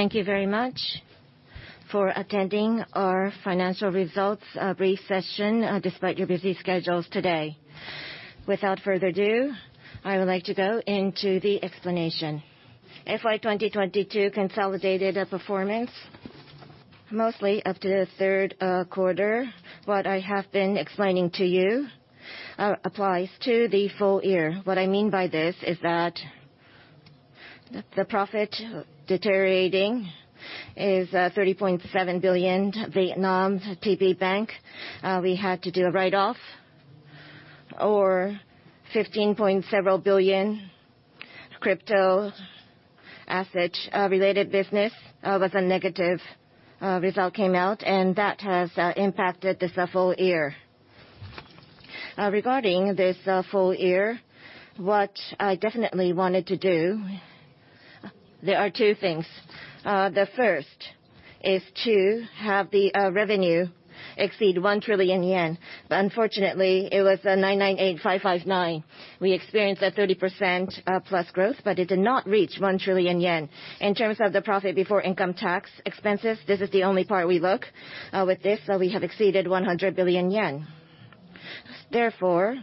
Thank you very much for attending our financial results brief session despite your busy schedules today. Without further ado, I would like to go into the explanation. FY 2022 consolidated performance mostly up to the third quarter. What I have been explaining to you applies to the full year. What I mean by this is that the profit deteriorating is 30.7 billion TPBank. We had to do a write-off or 15 point several billion crypto asset-related business with a negative result came out, and that has impacted this full year. Regarding this full year, what I definitely wanted to do, there are two things. The first is to have the revenue exceed 1 trillion yen. Unfortunately, it was 998 billion 559 billion. We experienced a 30% plus growth, it did not reach 1 trillion yen. In terms of the profit before income tax expenses, this is the only part we look. With this, we have exceeded 100 billion yen. Therefore,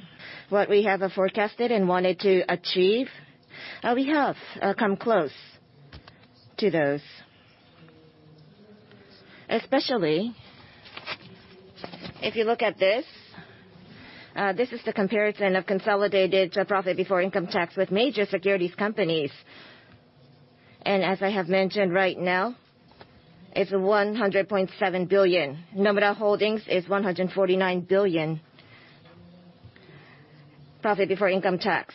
what we have forecasted and wanted to achieve, we have come close to those. Especially if you look at this is the comparison of consolidated profit before income tax with major securities companies. As I have mentioned right now, it's 100.7 billion. Nomura Holdings is 149 billion profit before income tax.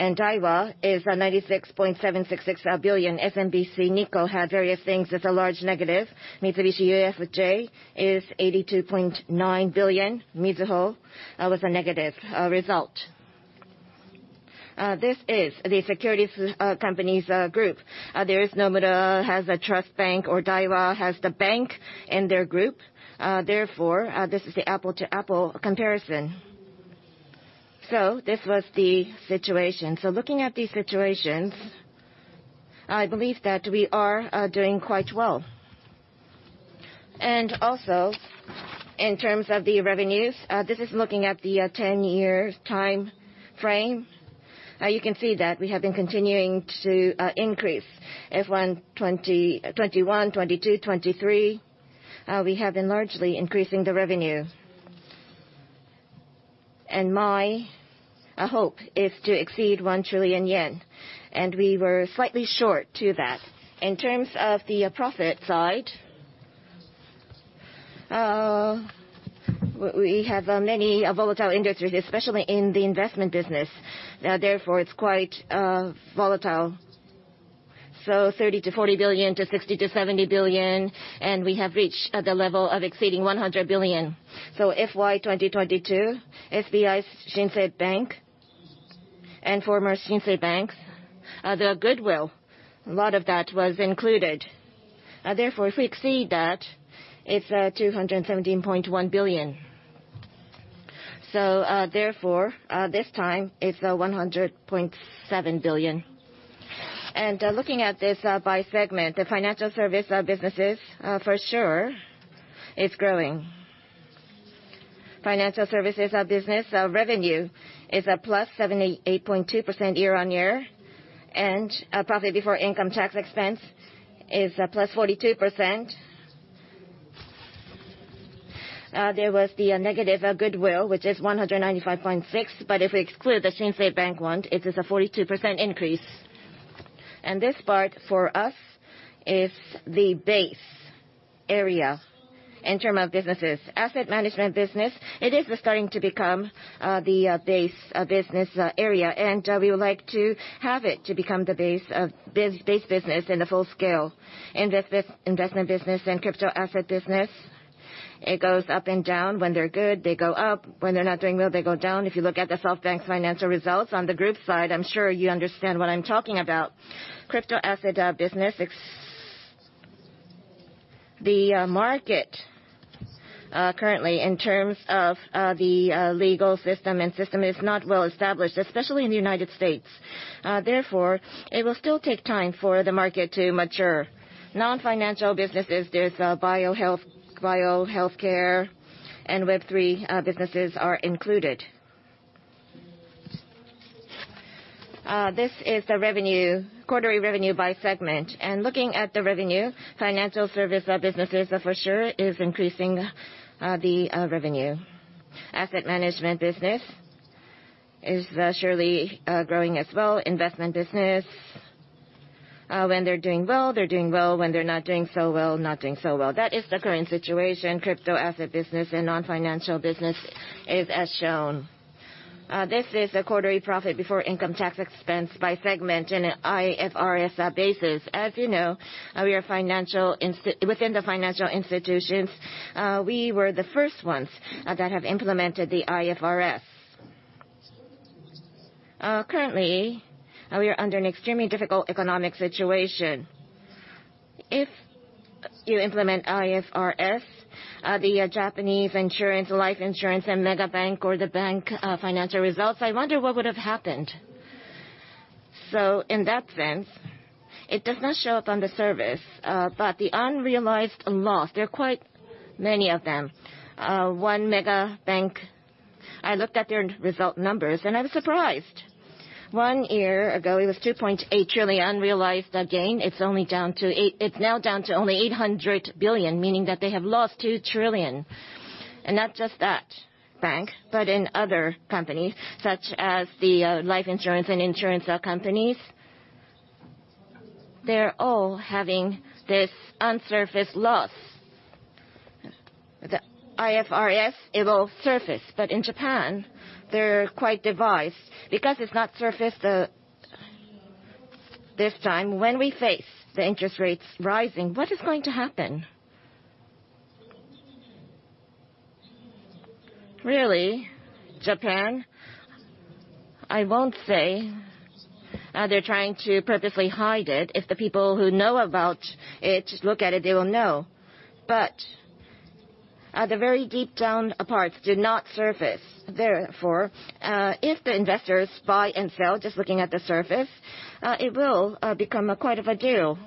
Daiwa is 96.766 billion. SMBC Nikko had various things as a large negative. Mitsubishi UFJ is 82.9 billion. Mizuho was a negative result. This is the securities companies group. There is Nomura has a trust bank or Daiwa has the bank in their group, therefore, this is the apple-to-apple comparison. This was the situation. Looking at these situations, I believe that we are doing quite well. Also in terms of the revenues, this is looking at the 10 years time frame. You can see that we have been continuing to increase FY 2021, 2022, 2023. We have been largely increasing the revenue. My hope is to exceed 1 trillion yen. We were slightly short to that. In terms of the profit side, we have many volatile industries, especially in the investment business. Therefore, it's quite volatile. 30 billion-40 billion to 60 billion-70 billion, and we have reached at the level of exceeding 100 billion. FY 2022, SBI Shinsei Bank and former Shinsei Banks, the goodwill, a lot of that was included. Therefore, if we exceed that, it's 217.1 billion. Therefore, this time it's 100.7 billion. Looking at this, by segment, the financial service businesses for sure is growing. Financial services business revenue is a +78.2% year-on-year. Profit before income tax expense is +42%. There was the negative goodwill, which is 195.6, but if we exclude the Shinsei Bank one, it is a 42% increase. This part for us is the base area in term of businesses. Asset management business, it is starting to become the base business area. We would like to have it to become the base business in a full scale. Investment business and crypto asset business, it goes up and down. When they're good, they go up. When they're not doing well, they go down. If you look at the SoftBank financial results on the group side, I'm sure you understand what I'm talking about. Crypto asset business. The market currently in terms of the legal system and system is not well established, especially in the United States. Therefore, it will still take time for the market to mature. Non-financial businesses, there's bio/health, bio/healthcare and Web3 businesses are included. This is the revenue, quarterly revenue by segment. Looking at the revenue, financial service businesses for sure is increasing the revenue. Asset management business is surely growing as well. Investment business, when they're doing well, they're doing well, when they're not doing so well, not doing so well. That is the current situation. Crypto asset business and non-financial business is as shown. This is a quarterly profit before income tax expense by segment in an IFRS basis. As you know, we are within the financial institutions, we were the first ones that have implemented the IFRS. Currently, we are under an extremely difficult economic situation. You implement IFRS, the Japanese insurance, life insurance, and mega bank or the bank, financial results. I wonder what would have happened. In that sense, it does not show up on the service, but the unrealized loss, there are quite many of them. One mega bank, I looked at their result numbers and I was surprised. One year ago, it was 2.8 trillion unrealized gain. It's now down to only 800 billion, meaning that they have lost 2 trillion. Not just that bank, but in other companies, such as the life insurance and insurance companies, they're all having this unsurfaced loss. The IFRS, it will surface, but in Japan, they're quite devised. It's not surfaced, this time, when we face the interest rates rising, what is going to happen? Really, Japan, I won't say, they're trying to purposely hide it. If the people who know about it look at it, they will know. The very deep down parts do not surface. Therefore, if the investors buy and sell just looking at the surface, it will become quite of a deal.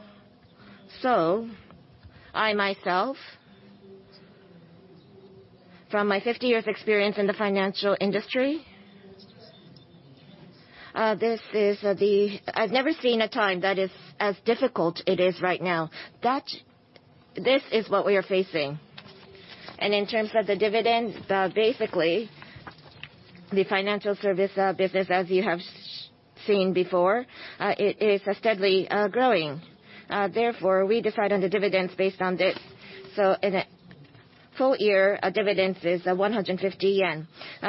I, myself, from my 50 years experience in the financial industry, this is I've never seen a time that is as difficult it is right now. This is what we are facing. In terms of the dividend, basically, the financial service business, as you have seen before, it is steadily growing. Therefore, we decide on the dividends based on this. In a full year, dividends is 150 yen,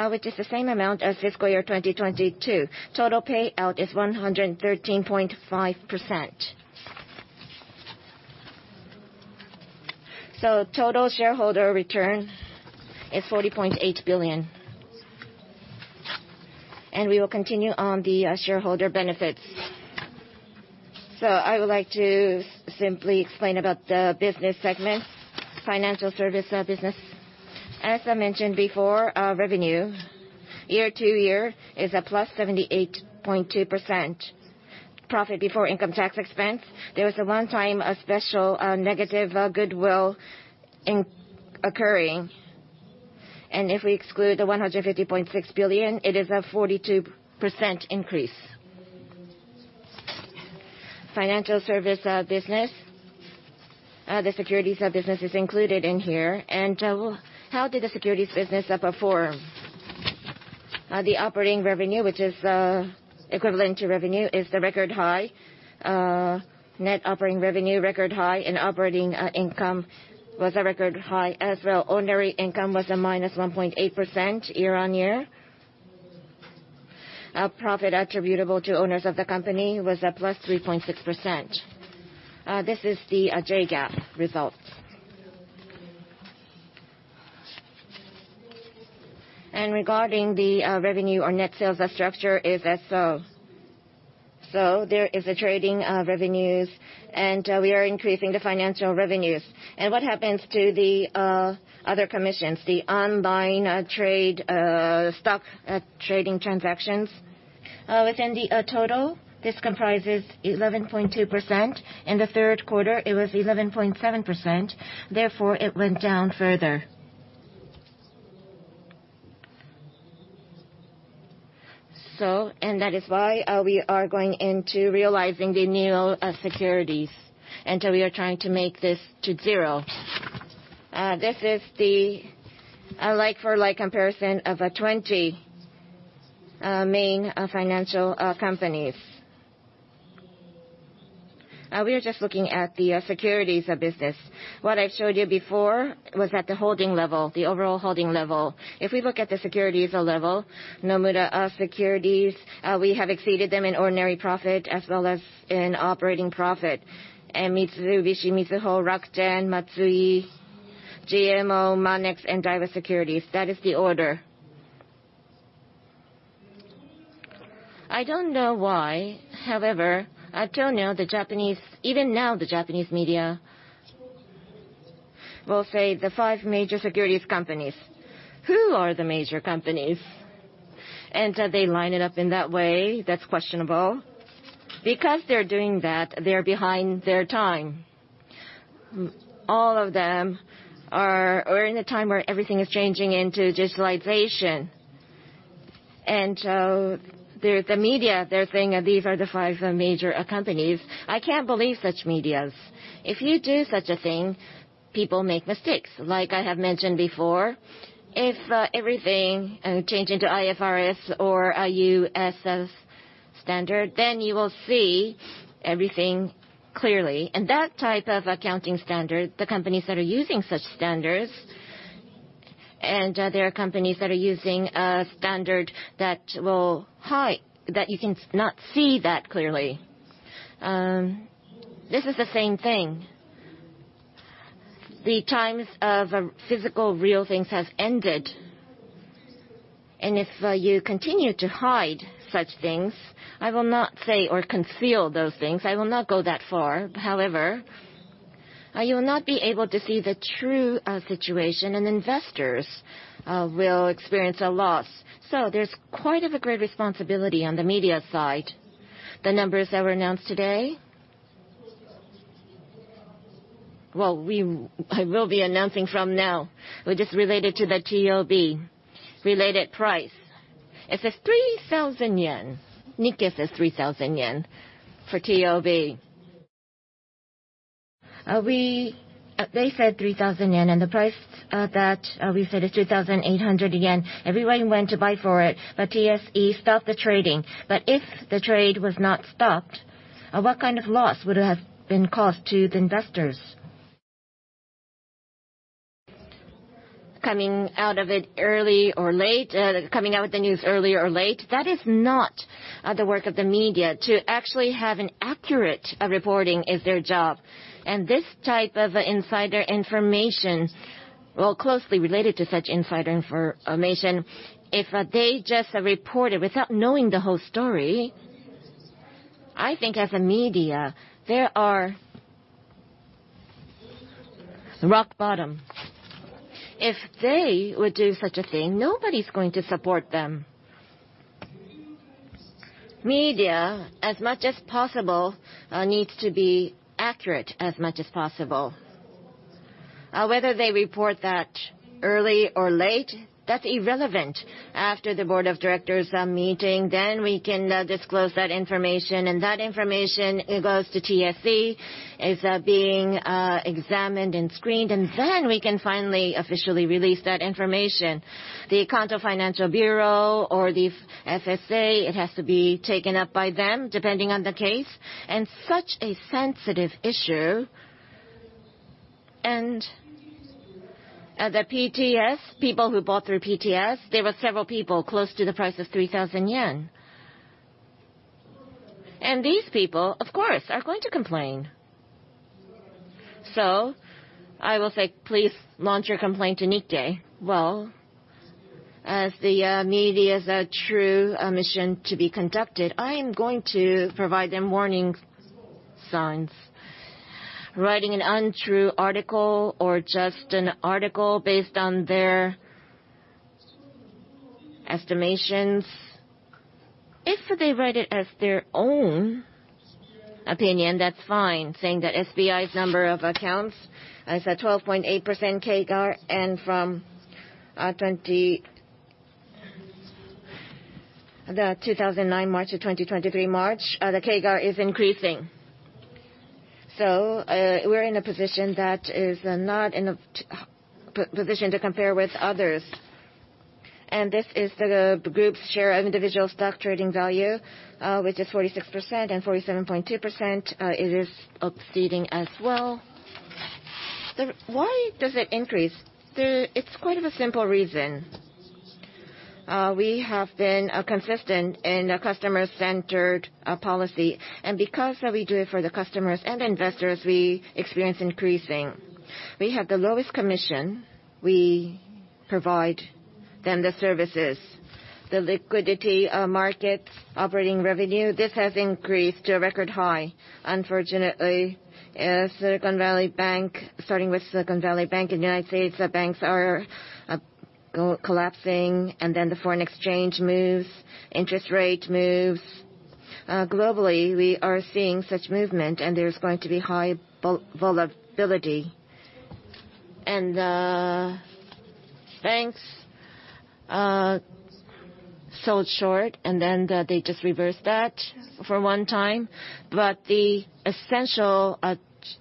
which is the same amount as fiscal year 2022. Total payout is 113.5%. Total shareholder return is 40.8 billion. We will continue on the shareholder benefits. I would like to simply explain about the business segment, financial service business. As I mentioned before, revenue year-over-year is at +78.2%. Profit before income tax expense, there was a one-time special negative goodwill incurring. If we exclude the 150.6 billion, it is a 42% increase. Financial service business, the securities business is included in here. How did the securities business perform? The operating revenue, which is equivalent to revenue, is the record high. Net operating revenue, record high. Operating income was a record high as well. Ordinary income was at -1.8% year-over-year. Profit attributable to owners of the company was at +3.6%. This is the JGAAP results. Regarding the revenue or net sales structure is as so. There is the trading revenues, and we are increasing the financial revenues. What happens to the other commissions, the online trade stock trading transactions? Within the total, this comprises 11.2%. In the third quarter, it was 11.7%. Therefore, it went down further. That is why we are going into realizing the new securities, and we are trying to make this to 0. This is the like for like comparison of 20 main financial companies. We are just looking at the securities business. What I showed you before was at the holding level, the overall holding level. If we look at the securities level, Nomura Securities, we have exceeded them in ordinary profit as well as in operating profit. Mitsubishi, Mizuho, Rakuten, Matsui, GMO, Monex, and Daiwa Securities. That is the order. I don't know why. I don't know, even now, the Japanese media will say the five major securities companies. Who are the major companies? They line it up in that way. That's questionable. Because they're doing that, they're behind their time. All of them, we're in a time where everything is changing into digitalization. The media, they're saying these are the five major companies. I can't believe such medias. If you do such a thing, people make mistakes. Like I have mentioned before, if everything change into IFRS or U.S. standard, then you will see everything clearly. That type of accounting standard, the companies that are using such standards, and, there are companies that are using a standard that will hide, that you cannot see that clearly. This is the same thing. The times of, physical, real things has ended. If, you continue to hide such things, I will not say or conceal those things. I will not go that far. However, you will not be able to see the true, situation, and investors, will experience a loss. There's quite of a great responsibility on the media side. The numbers that were announced today. Well, I will be announcing from now. We just related to the TOB related price. It says 3,000 yen. Nikkei says 3,000 yen for TOB. They said 3,000 yen, and the price that we said is 2,800 yen. Everybody went to buy for it. TSE stopped the trading. If the trade was not stopped, what kind of loss would have been caused to the investors? Coming out of it early or late, coming out with the news early or late, that is not the work of the media. To actually have an accurate reporting is their job. This type of insider information, well, closely related to such insider information, if they just reported without knowing the whole story, I think as a media, there are rock bottom. If they would do such a thing, nobody's going to support them. Media, as much as possible, needs to be accurate as much as possible. Whether they report that early or late, that's irrelevant. After the board of directors meeting, we can disclose that information, that information, it goes to TSE, is being examined and screened, and we can finally officially release that information. The Kanto Local Finance Bureau or the FSA, it has to be taken up by them, depending on the case, such a sensitive issue. The PTS, people who bought through PTS, there were several people close to the price of 3,000 yen. These people, of course, are going to complain. I will say, "Please launch your complaint to Nikkei." As the media's true mission to be conducted, I am going to provide them warning signs. Writing an untrue article or just an article based on their estimations, if they write it as their own opinion, that's fine. Saying that SBI's number of accounts is at 12.8% CAGR, and from 2009 March to 2023 March, the CAGR is increasing. We're in a position that is not in a position to compare with others. This is the group's share of individual stock trading value, which is 46% and 47.2%. It is up-seeding as well. Why does it increase? It's quite of a simple reason. We have been consistent in a customer-centered policy. Because we do it for the customers and investors, we experience increasing. We have the lowest commission. We provide them the services. The liquidity markets, operating revenue, this has increased to a record high. Unfortunately, Silicon Valley Bank, starting with Silicon Valley Bank in United States, banks are collapsing, and then the foreign exchange moves, interest rate moves. Globally, we are seeing such movement, there's going to be high volatility. Banks sold short, and then they just reversed that for one time. The essential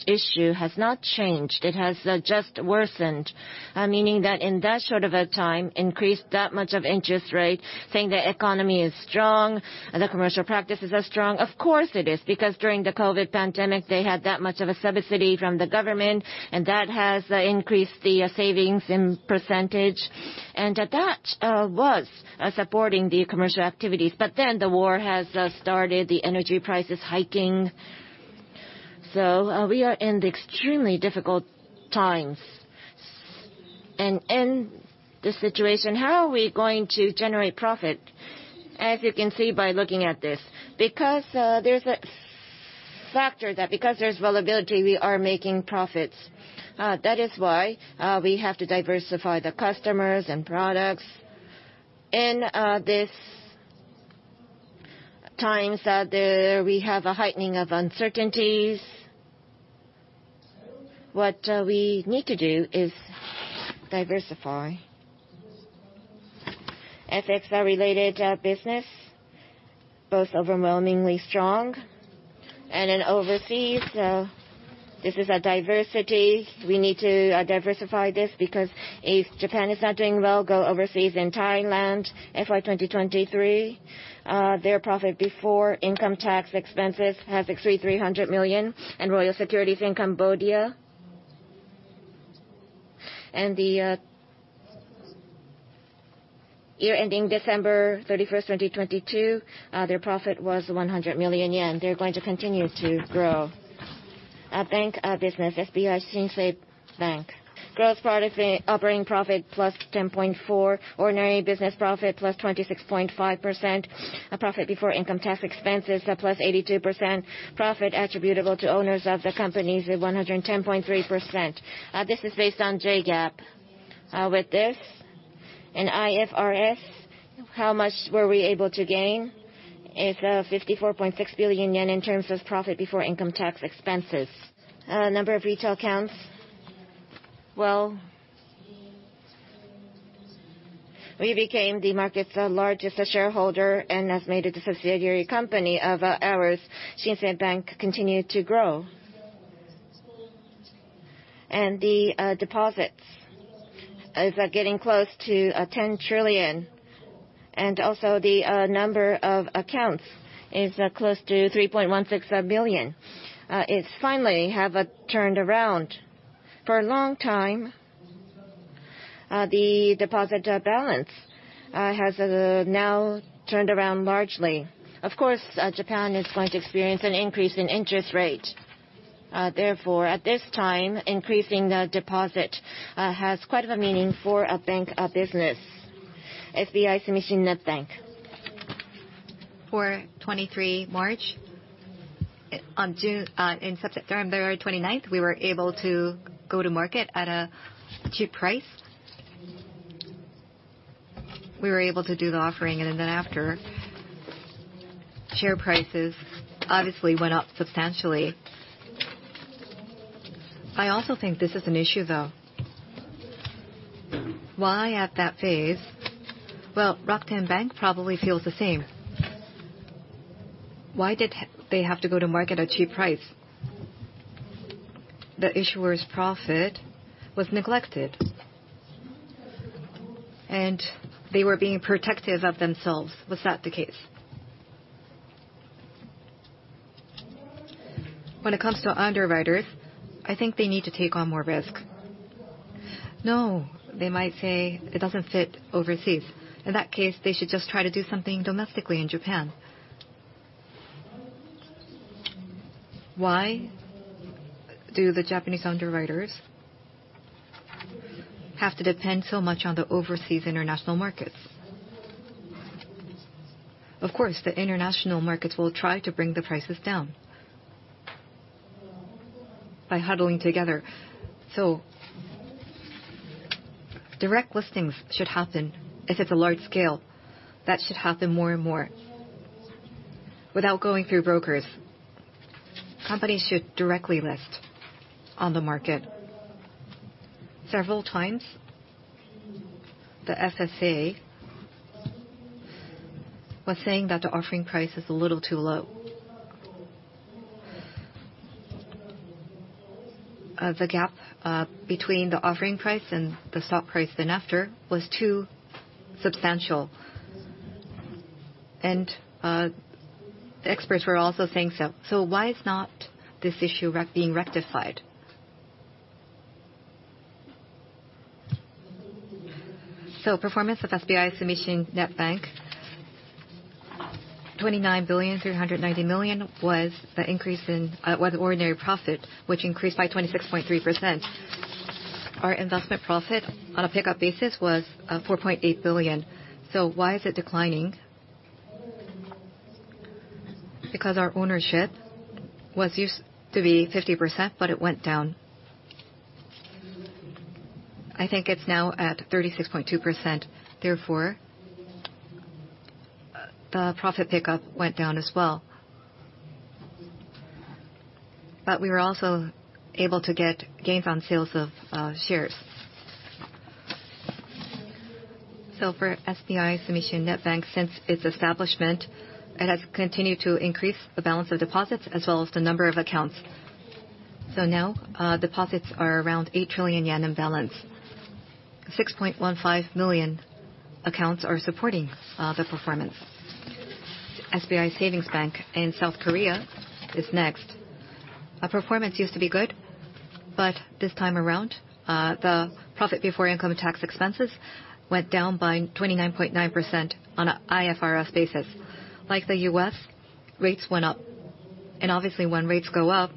issue has not changed. It has just worsened, meaning that in that short of a time, increased that much of interest rate, saying the economy is strong, the commercial practices are strong. Of course it is, because during the COVID pandemic, they had that much of a subsidy from the government, and that has increased the savings in %. That was supporting the commercial activities. The war has started, the energy price is hiking. We are in extremely difficult times. In this situation, how are we going to generate profit? As you can see by looking at this, because there's a factor that because there's volatility, we are making profits. That is why we have to diversify the customers and products. In this times, we have a heightening of uncertainties. What we need to do is diversify. FX, our related business, both overwhelmingly strong. In overseas, this is a diversity. We need to diversify this because if Japan is not doing well, go overseas. In Thailand, FY 2023, their profit before income tax expenses has 300 million. Royal Securities in Cambodia, and the year ending December 31st, 2022, their profit was 100 million yen. They're going to continue to grow. Our bank, our business, SBI Shinsei Bank. Gross profit operating profit +10.4. Ordinary business profit +26.5%. Our profit before income tax expenses, so +82%. Profit attributable to owners of the company is 110.3%. This is based on J-GAAP. With this in IFRS, how much were we able to gain? It's 54.6 billion yen in terms of profit before income tax expenses. Number of retail accounts, well, we became the market's largest shareholder and has made it a subsidiary company of ours. Shinsei Bank continued to grow. The deposits is getting close to 10 trillion. Also the number of accounts is close to 3.16 billion. It's finally have turned around. For a long time, the deposit balance has now turned around largely. Of course, Japan is going to experience an increase in interest rate. Therefore, at this time, increasing the deposit has quite of a meaning for a bank, a business. SBI Sumishin Net Bank. For 23 March, on June, in September 29th, we were able to go to market at a cheap price. We were able to do the offering, and then after, share prices obviously went up substantially. I also think this is an issue though. Why at that phase? Well, Rakuten Bank probably feels the same. Why did they have to go to market at cheap price? The issuer's profit was neglected. They were being protective of themselves. Was that the case? When it comes to underwriters, I think they need to take on more risk. No, they might say it doesn't fit overseas. In that case, they should just try to do something domestically in Japan. Why do the Japanese underwriters have to depend so much on the overseas international markets? Of course, the international markets will try to bring the prices down by huddling together. Direct listings should happen if it's a large scale. That should happen more and more. Without going through brokers, companies should directly list on the market. Several times, the FSA was saying that the offering price is a little too low. The gap between the offering price and the stock price then after was too substantial. Experts were also saying so. Why is not this issue being rectified? Performance of SBI Sumishin Net Bank, 29,390 million was the increase in ordinary profit, which increased by 26.3%. Our investment profit on a pickup basis was 4.8 billion. Why is it declining? Because our ownership was used to be 50%, but it went down. I think it's now at 36.2%. Therefore, the profit pickup went down as well. We were also able to get gains on sales of shares. For SBI Sumishin Net Bank, since its establishment, it has continued to increase the balance of deposits as well as the number of accounts. Now, deposits are around 8 trillion yen in balance. 6.15 million accounts are supporting the performance. SBI Savings Bank in South Korea is next. Our performance used to be good, but this time around, the profit before income tax expenses went down by 29.9% on a IFRS basis. Like the U.S., rates went up, and obviously when rates go up,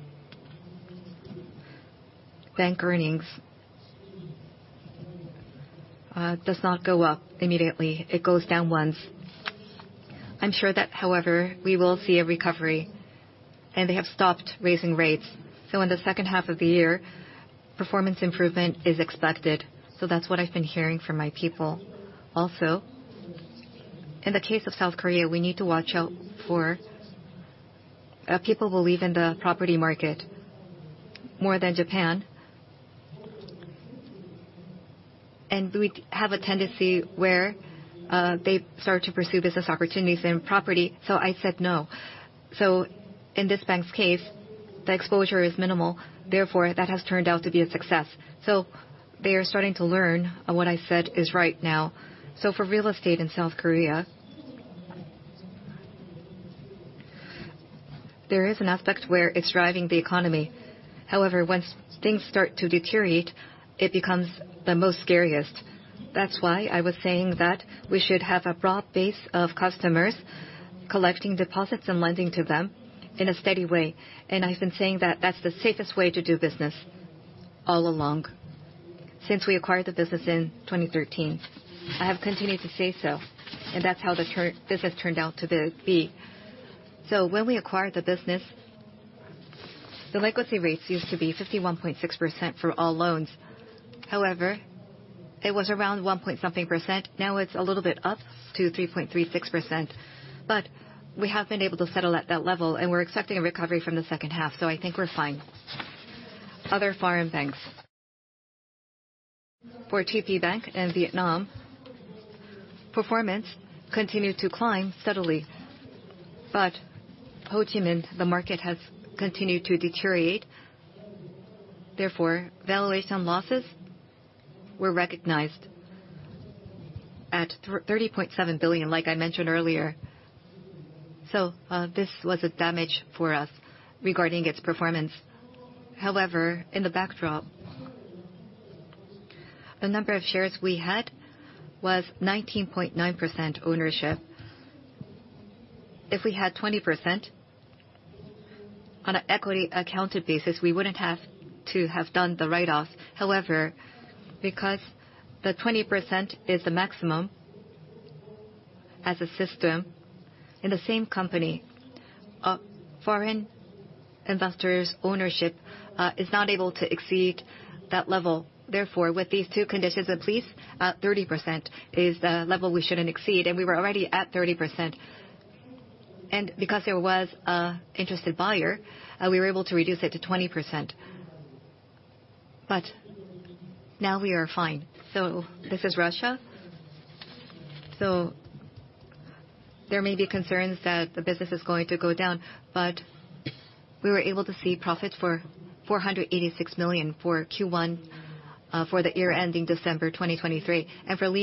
bank earnings does not go up immediately. It goes down once. I'm sure that, however, we will see a recovery, and they have stopped raising rates. In the second half of the year, performance improvement is expected. That's what I've been hearing from my people. In the case of South Korea, we need to watch out for people who live in the property market more than Japan. We have a tendency where they start to pursue business opportunities in property. I said, "No." In this bank's case, the exposure is minimal, therefore, that has turned out to be a success. They are starting to learn what I said is right now. For real estate in South Korea, there is an aspect where it's driving the economy. However, once things start to deteriorate, it becomes the most scariest. That's why I was saying that we should have a broad base of customers, collecting deposits and lending to them in a steady way. I've been saying that that's the safest way to do business all along since we acquired the business in 2013. I have continued to say so, and that's how the business turned out to be. When we acquired the business, the legacy rate seems to be 51.6% for all loans. However, it was around one-point-something%. Now it's a little bit up to 3.36%. We have been able to settle at that level, and we're expecting a recovery from the second half. I think we're fine. Other foreign banks. For TPBank in Vietnam, performance continued to climb steadily. Ho Chi Minh, the market has continued to deteriorate. Therefore, valuation losses were recognized at 30.7 billion, like I mentioned earlier. This was a damage for us regarding its performance. In the backdrop, the number of shares we had was 19.9% ownership. If we had 20% on an equity accounted basis, we wouldn't have to have done the write-off. Because the 20% is the maximum as a system in the same company, foreign investors' ownership is not able to exceed that level. With these two conditions at least, 30% is the level we shouldn't exceed, and we were already at 30%. Because there was a interested buyer, we were able to reduce it to 20%. Now we are fine. This is Russia. There may be concerns that the business is going to go down, but we were able to see profits for 486 million for Q1 for the year ending December 2023. For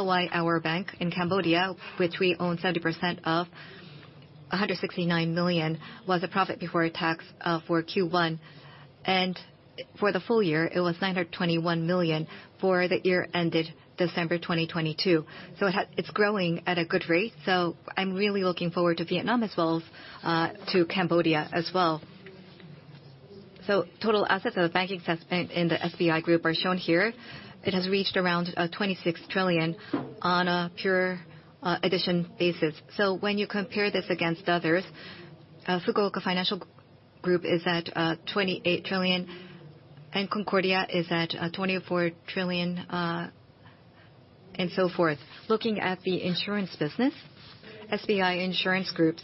LY Hour Bank in Cambodia, which we own 70% of, 169 million was a profit before tax for Q1. For the full year, it was 921 million for the year ended December 2022. It's growing at a good rate. I'm really looking forward to Vietnam as well as to Cambodia as well. Total assets of banking segment in the SBI Group are shown here. It has reached around 26 trillion on a pure addition basis. When you compare this against others, Fukuoka Financial Group is at 28 trillion, and Concordia is at 24 trillion, and so forth. Looking at the insurance business, SBI Insurance Group's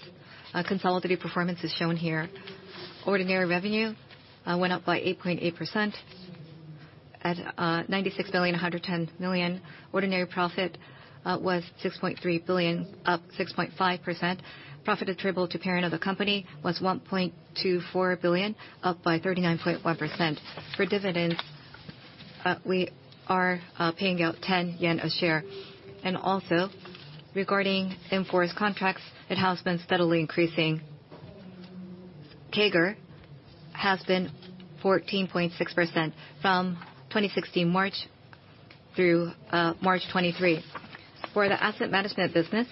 consolidated performance is shown here. Ordinary revenue went up by 8.8% at 96 billion, 110 million. Ordinary profit was JPY 6.3 billion, up 6.5%. Profit attributable to parent of the company was JPY 1.24 billion, up by 39.1%. For dividends, we are paying out 10 yen a share. Also, regarding in-force contracts, it has been steadily increasing. CAGR has been 14.6% from 2016 March through March 2023. For the asset management business,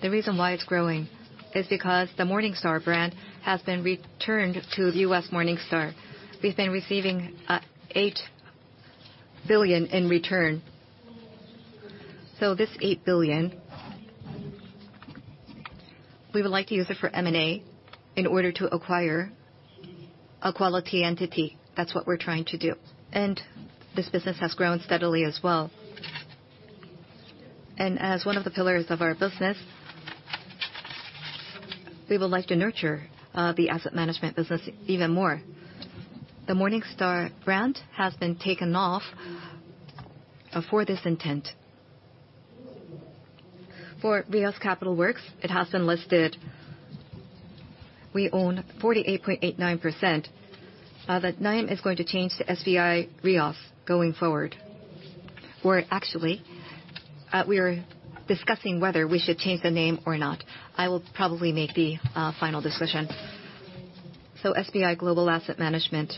the reason why it's growing is because the Morningstar brand has been returned to the U.S. Morningstar. We've been receiving 8 billion in return. This 8 billion, we would like to use it for M&A in order to acquire a quality entity. That's what we're trying to do. This business has grown steadily as well. As one of the pillars of our business, we would like to nurture the asset management business even more. The Morningstar brand has been taken off for this intent. For Rheos Capital Works, it has been listed. We own 48.89%. The name is going to change to SBI Rheos going forward. We're actually, we are discussing whether we should change the name or not. I will probably make the final decision. SBI Global Asset Management,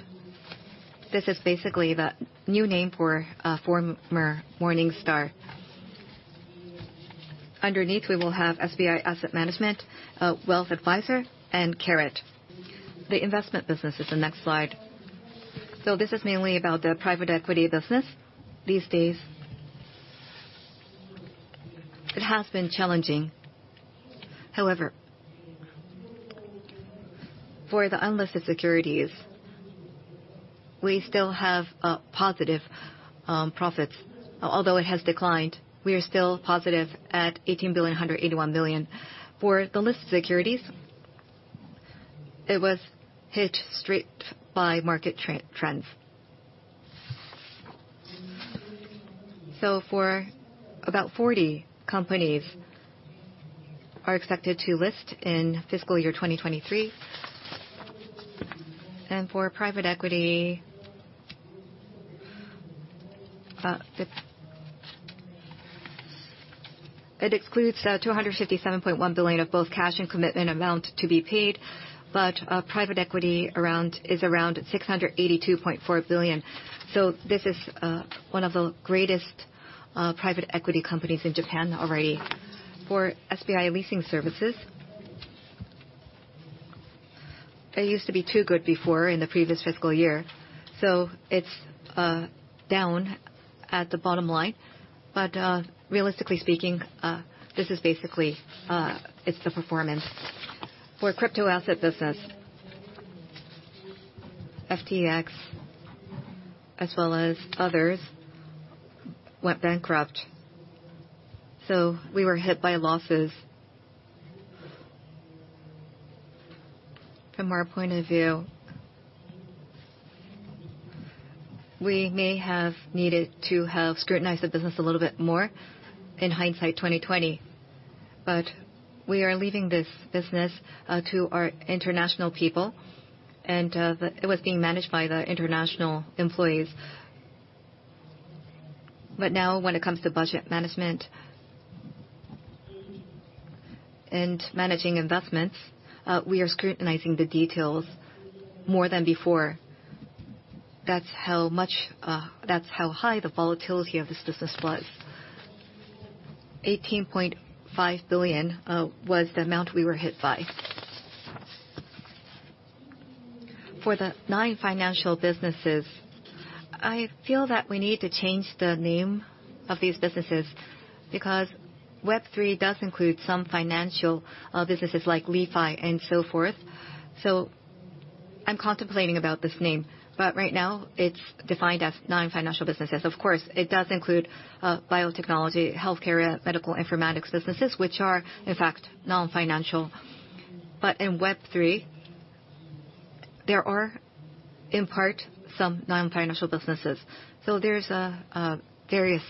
this is basically the new name for former Morningstar. Underneath, we will have SBI Asset Management, Wealth Advisor and Carrot. The investment business is the next slide. This is mainly about the private equity business these days. It has been challenging. However, for the unlisted securities, we still have positive profits. Although it has declined, we are still positive at 18 billion, 181 billion. For the listed securities, it was hit straight by market trends. For about 40 companies are expected to list in fiscal year 2023. For private equity, the It excludes 257.1 billion of both cash and commitment amount to be paid, but private equity is around 682.4 billion. This is one of the greatest private equity companies in Japan already. SBI Leasing Services-It used to be too good before in the previous fiscal year, so it's down at the bottom line. Realistically speaking, this is basically it's the performance. Crypto asset business, FTX as well as others went bankrupt, so we were hit by losses. From our point of view, we may have needed to have scrutinized the business a little bit more in hindsight 20/20, but we are leaving this business to our international people, and it was being managed by the international employees. Now when it comes to budget management and managing investments, we are scrutinizing the details more than before. That's how much, that's how high the volatility of this business was. 18.5 billion was the amount we were hit by. For the non-financial businesses, I feel that we need to change the name of these businesses because Web3 does include some financial businesses like LiFi and so forth. I'm contemplating about this name, but right now, it's defined as non-financial businesses. Of course, it does include biotechnology, healthcare, medical informatics businesses, which are, in fact, non-financial. In Web3, there are, in part, some non-financial businesses. There's various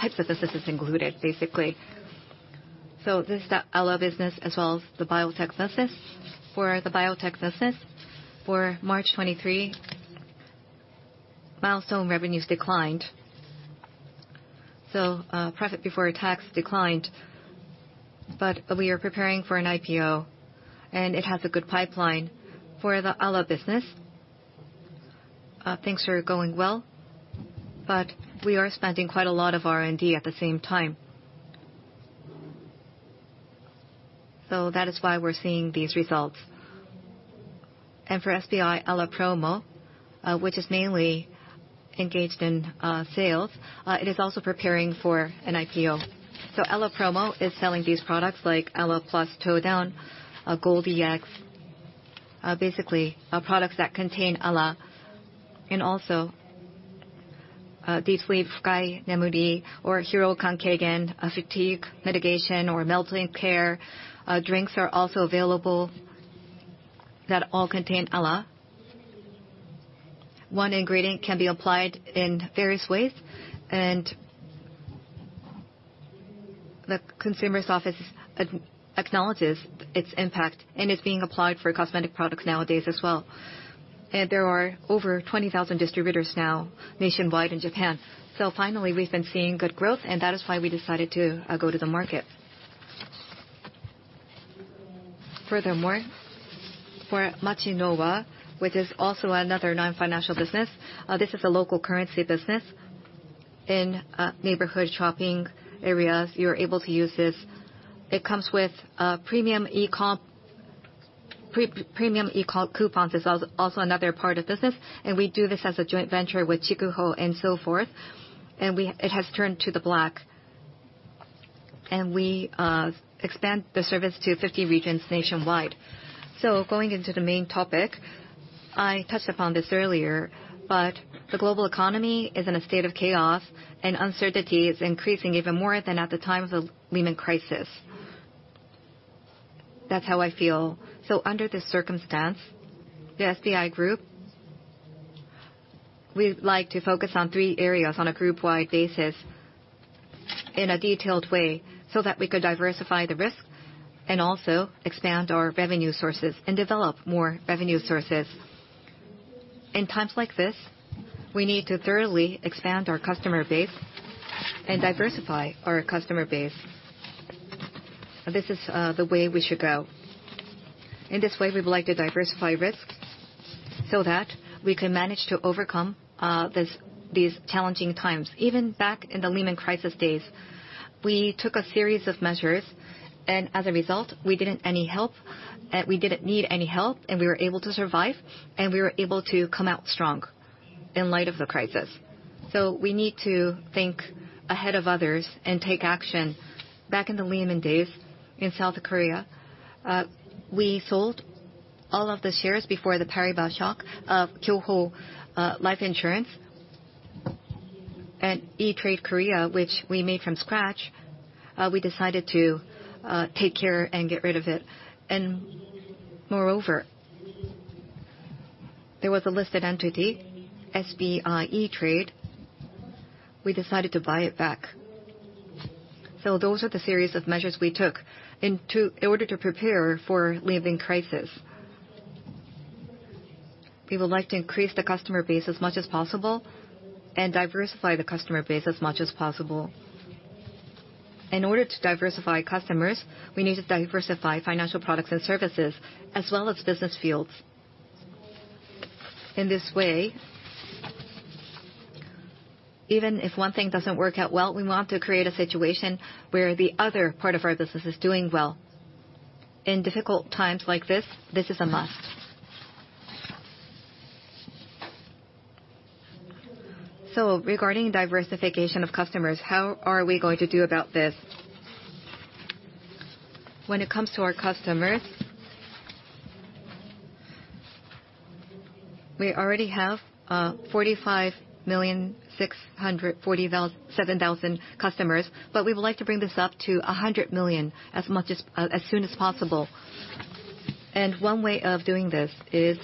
types of businesses included, basically. There's the ALA business as well as the biotech business. For the biotech business, for March 2023, milestone revenues declined. Profit before tax declined. We are preparing for an IPO, and it has a good pipeline. For the ALA business, things are going well, but we are spending quite a lot of R&D at the same time. That is why we're seeing these results. For SBI ALApromo, which is mainly engaged in sales, it is also preparing for an IPO. ALApromo is selling these products like ALAplus Tou-down, Gold EX, basically, products that contain ALA. Also, Deep Sleep Fukai Nemuri or Hiroukan Keigen, a fatigue mitigation or melting care, drinks are also available that all contain ALA. One ingredient can be applied in various ways, and the consumer's office acknowledges its impact, and it's being applied for cosmetic products nowadays as well. There are over 20,000 distributors now nationwide in Japan. Finally, we've been seeing good growth, and that is why we decided to go to the market. Furthermore, for Machinowa, which is also another non-financial business, this is a local currency business. In neighborhood shopping areas, you're able to use this. It comes with premium e-com coupons is also another part of business, and we do this as a joint venture with Chikuho and so forth. It has turned to the black, and we expand the service to 50 regions nationwide. Going into the main topic, I touched upon this earlier, the global economy is in a state of chaos, and uncertainty is increasing even more than at the time of the Lehman crisis. That's how I feel. Under this circumstance, the SBI Group, we'd like to focus on three areas on a group-wide basis in a detailed way so that we could diversify the risk and also expand our revenue sources and develop more revenue sources. In times like this, we need to thoroughly expand our customer base and diversify our customer base. This is the way we should go. In this way, we would like to diversify risks so that we can manage to overcome these challenging times. Even back in the Lehman crisis days, we took a series of measures. As a result, we didn't need any help, we were able to survive, and we were able to come out strong in light of the crisis. We need to think ahead of others and take action. Back in the Lehman days in South Korea, we sold all of the shares before the Paribas shock of Kyobo Life Insurance and E*Trade Korea, which we made from scratch, we decided to take care and get rid of it. Moreover, there was a listed entity, SBI E*Trade. We decided to buy it back. Those are the series of measures we took in order to prepare for Lehman crisis. We would like to increase the customer base as much as possible and diversify the customer base as much as possible. In order to diversify customers, we need to diversify financial products and services as well as business fields. Even if one thing doesn't work out well, we want to create a situation where the other part of our business is doing well. In difficult times like this is a must. Regarding diversification of customers, how are we going to do about this? When it comes to our customers, we already have 45,647,000 customers, but we would like to bring this up to 100 million as soon as possible. One way of doing this is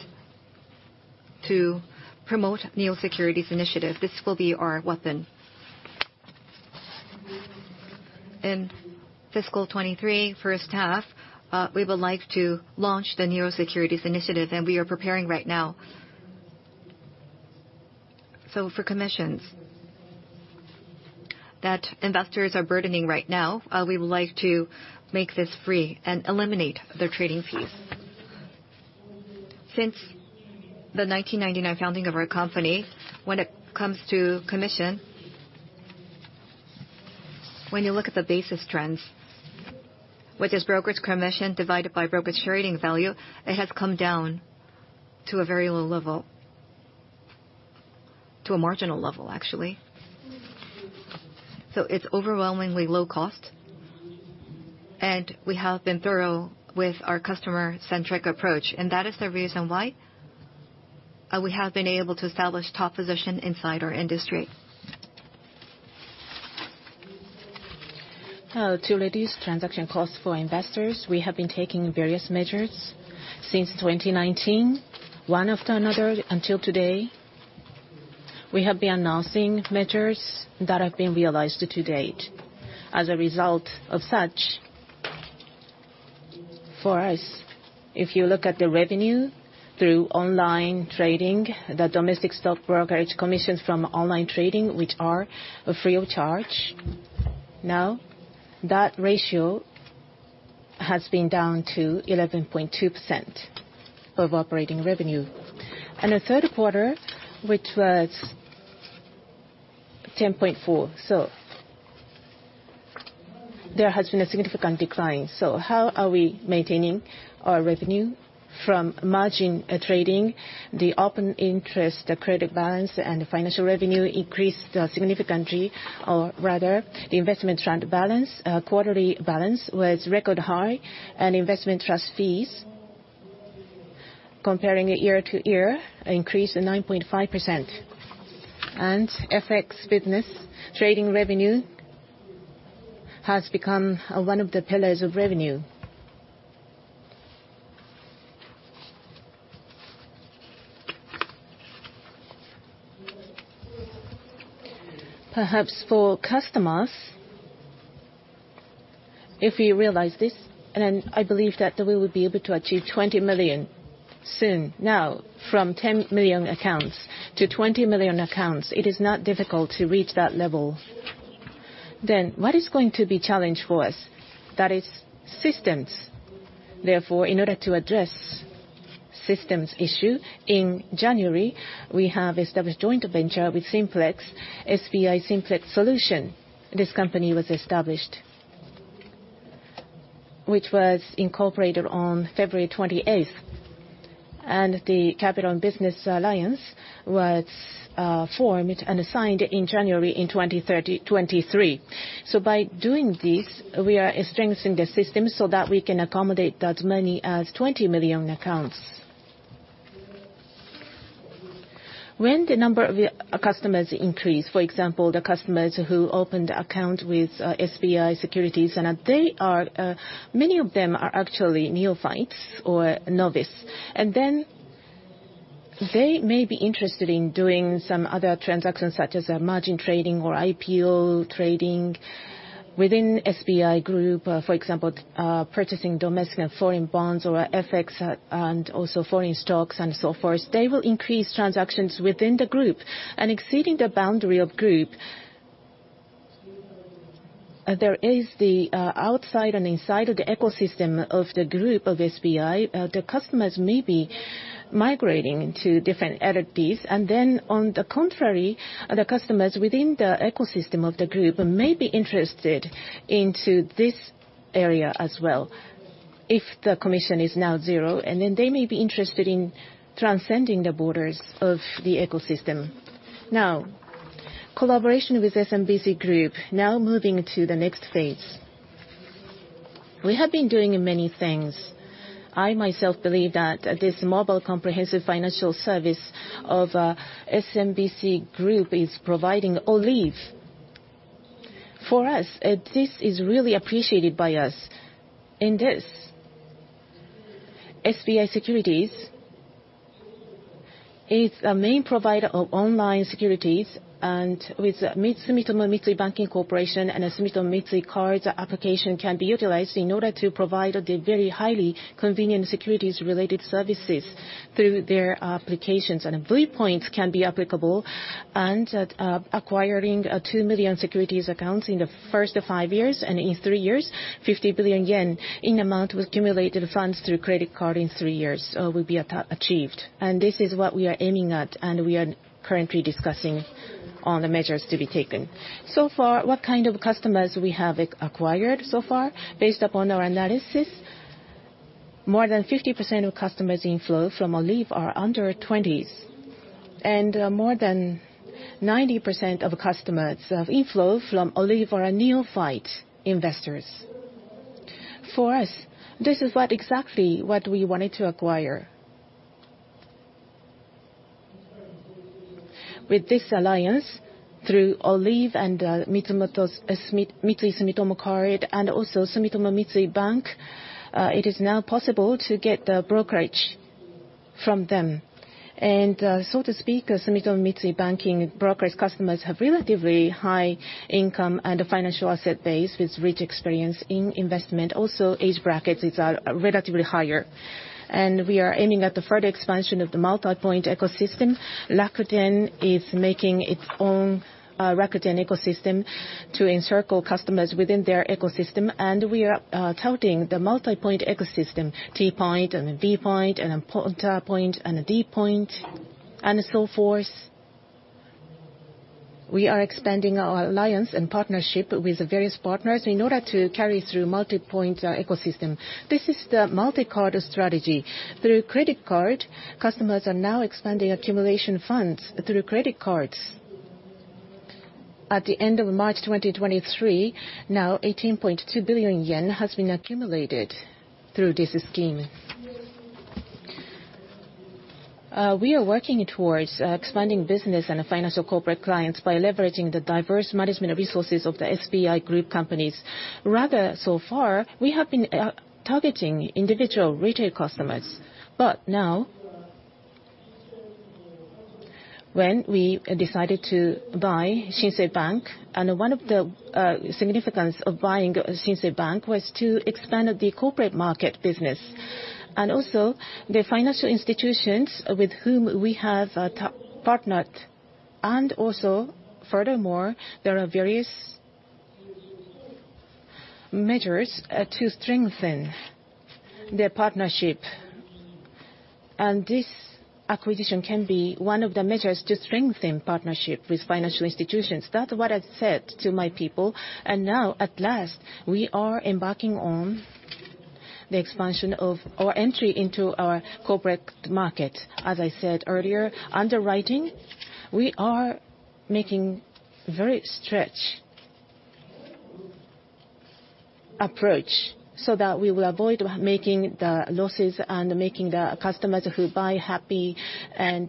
to promote neo-securities initiative. This will be our weapon. In fiscal 2023 first half, we would like to launch the neo-securities initiative, and we are preparing right now. For commissions that investors are burdening right now, we would like to make this free and eliminate their trading fees. Since the 1999 founding of our company, when it comes to commission, when you look at the basis trends, which is brokerage commission divided by brokerage trading value, it has come down to a very low level, to a marginal level actually. It's overwhelmingly low cost, and we have been thorough with our customer-centric approach, and that is the reason why we have been able to establish top position inside our industry. To reduce transaction costs for investors, we have been taking various measures since 2019, one after another until today. We have been announcing measures that have been realized to date. As a result of such, for us, if you look at the revenue through online trading, the domestic stock brokerage commissions from online trading, which are free of charge, now that ratio has been down to 11.2% of operating revenue. The third quarter, which was 10.4. There has been a significant decline. How are we maintaining our revenue? From margin, trading, the open interest, the credit balance, and the financial revenue increased significantly, or rather, the investment trend balance, quarterly balance was record high, and investment trust fees comparing year-over-year increased 9.5%. FX business trading revenue has become one of the pillars of revenue. Perhaps for customers, if you realize this, I believe that we will be able to achieve 20 million soon. From 10 million accounts-20 million accounts, it is not difficult to reach that level. What is going to be challenge for us? That is systems. In order to address systems issue, in January, we have established joint venture with Simplex, SBI Simplex Solutions. This company was established, which was incorporated on February 28th, and the capital and business alliance was formed and signed in January in 2023. By doing this, we are strengthening the system so that we can accommodate as many as 20 million accounts. When the number of customers increase, for example, the customers who open the account with SBI Securities, many of them are actually neophytes or novice. They may be interested in doing some other transactions, such as margin trading or IPO trading within SBI Group, for example, purchasing domestic and foreign bonds or FX, and also foreign stocks and so forth. They will increase transactions within the group. Exceeding the boundary of group, there is the outside and inside of the ecosystem of the group of SBI, the customers may be migrating to different entities. On the contrary, the customers within the ecosystem of the group may be interested into this area as well if the commission is now zero, and then they may be interested in transcending the borders of the ecosystem. Collaboration with SMBC Group now moving to the next phase. We have been doing many things. I myself believe that this mobile comprehensive financial service of SMBC Group is providing a leave. For us, this is really appreciated by us. In this, SBI Securities is a main provider of online securities and with Sumitomo Mitsui Banking Corporation and Sumitomo Mitsui cards application can be utilized in order to provide the very highly convenient securities related services through their applications. V points can be applicable and acquiring 2 million securities accounts in the first 5 years and in 3 years, 50 billion yen in amount with accumulated funds through credit card in 3 years will be achieved. This is what we are aiming at, and we are currently discussing on the measures to be taken. So far, what kind of customers we have acquired so far based upon our analysis? More than 50% of customers inflow from Olive are under 20s, and more than 90% of customers of inflow from Olive are neophyte investors. For us, this is what exactly what we wanted to acquire. With this alliance through Olive and Sumitomo Mitsui Card, and also Sumitomo Mitsui Bank, it is now possible to get the brokerage from them. So to speak, Sumitomo Mitsui banking brokers customers have relatively high income and a financial asset base with rich experience in investment. Also age brackets are relatively higher. We are aiming at the further expansion of the multipoint ecosystem. Rakuten is making its own Rakuten ecosystem to encircle customers within their ecosystem, we are touting the multipoint ecosystem, T Point and V Point and Ponta Point and d POINT, and so forth. We are expanding our alliance and partnership with various partners in order to carry through multipoint ecosystem. This is the multi-card strategy. Through credit card, customers are now expanding accumulation funds through credit cards. At the end of March 2023, now 18.2 billion yen has been accumulated through this scheme. We are working towards expanding business and financial corporate clients by leveraging the diverse management resources of the SBI Group companies. Rather, so far, we have been targeting individual retail customers. Now, when we decided to buy Shinsei Bank, and one of the significance of buying Shinsei Bank was to expand the corporate market business, and also the financial institutions with whom we have partnered. Furthermore, there are various measures to strengthen the partnership. This acquisition can be one of the measures to strengthen partnership with financial institutions. That's what I said to my people, and now at last, we are embarking on the expansion of, or entry into our corporate market. As I said earlier, underwriting, we are making very stretch approach so that we will avoid making the losses and making the customers who buy happy, and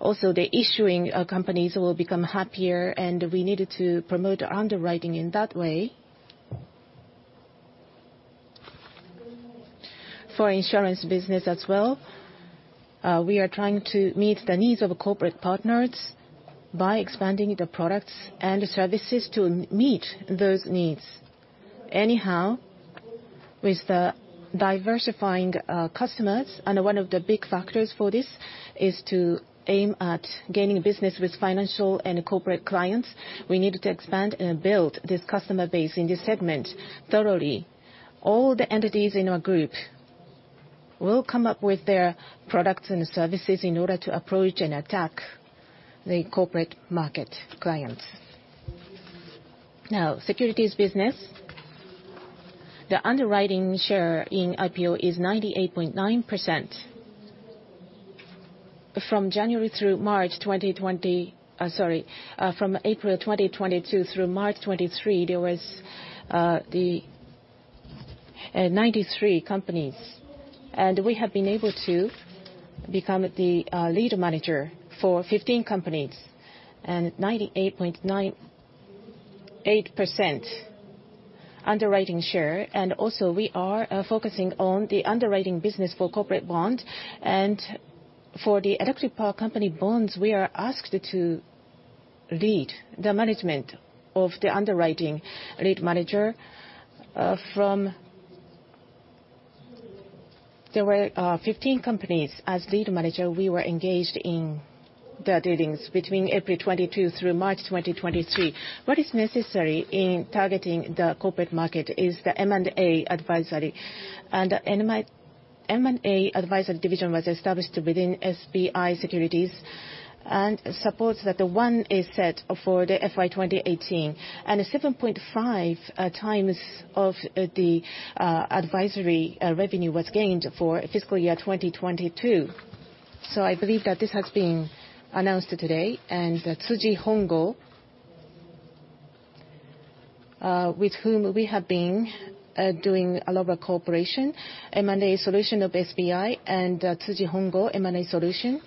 also the issuing companies will become happier, and we needed to promote underwriting in that way. For insurance business as well, we are trying to meet the needs of corporate partners by expanding the products and services to meet those needs. Anyhow, with the diversifying customers, and one of the big factors for this is to aim at gaining business with financial and corporate clients, we needed to expand and build this customer base in this segment thoroughly. All the entities in our group will come up with their products and services in order to approach and attack the corporate market clients. Securities business. The underwriting share in IPO is 98.9%. From April 2022 through March 2023, there was 93 companies. We have been able to become the lead manager for 15 companies, and 98.8% underwriting share. Also, we are focusing on the underwriting business for corporate bond. For the electric power company bonds, we are asked to lead the management of the underwriting lead manager. There were 15 companies. As lead manager, we were engaged in the dealings between April 2022 through March 2023. What is necessary in targeting the corporate market is the M&A advisory. M&A advisory division was established within SBI Securities and supports that the one is set for the FY 2018. 7.5 times of the advisory revenue was gained for fiscal year 2022. I believe that this has been announced today. Tsuji Hongo, with whom we have been doing a lot of cooperation, M&A solution of SBI and Tsuji Hongo M&A solution,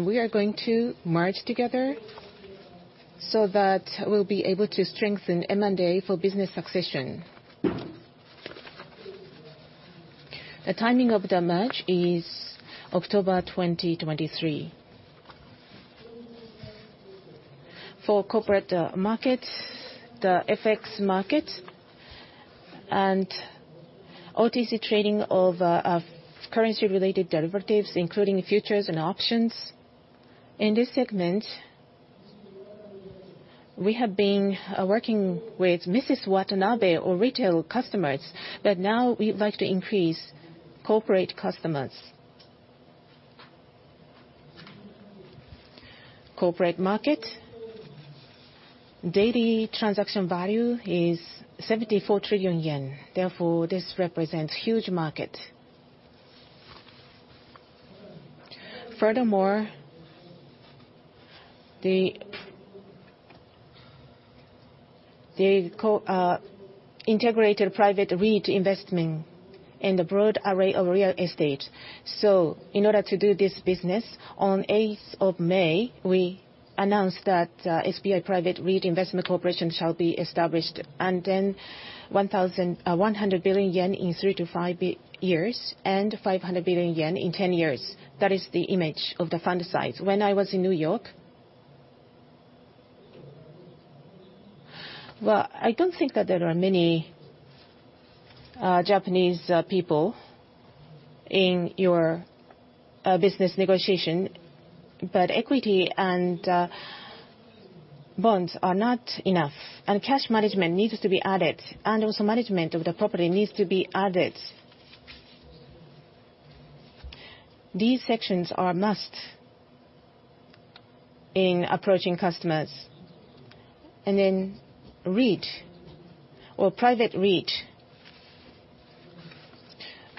we are going to merge together so that we'll be able to strengthen M&A for business succession. The timing of the merge is October 2023. For corporate markets, the FX market and OTC trading of currency-related derivatives, including futures and options, in this segment, we have been working with Mrs. Watanabe or retail customers, but now we'd like to increase corporate customers. Corporate market. Daily transaction value is 74 trillion yen. This represents huge market. The integrated private REIT investment in the broad array of real estate. In order to do this business, on 8th of May, we announced that SBI Private REIT Investment Corporation shall be established. 1,100 billion yen in 3 to 5 years, and 500 billion yen in 10 years. That is the image of the fund size. When I was in New York. I don't think that there are many Japanese people in your business negotiation, equity and bonds are not enough, cash management needs to be added, also management of the property needs to be added. These sections are must in approaching customers. REIT or private REIT,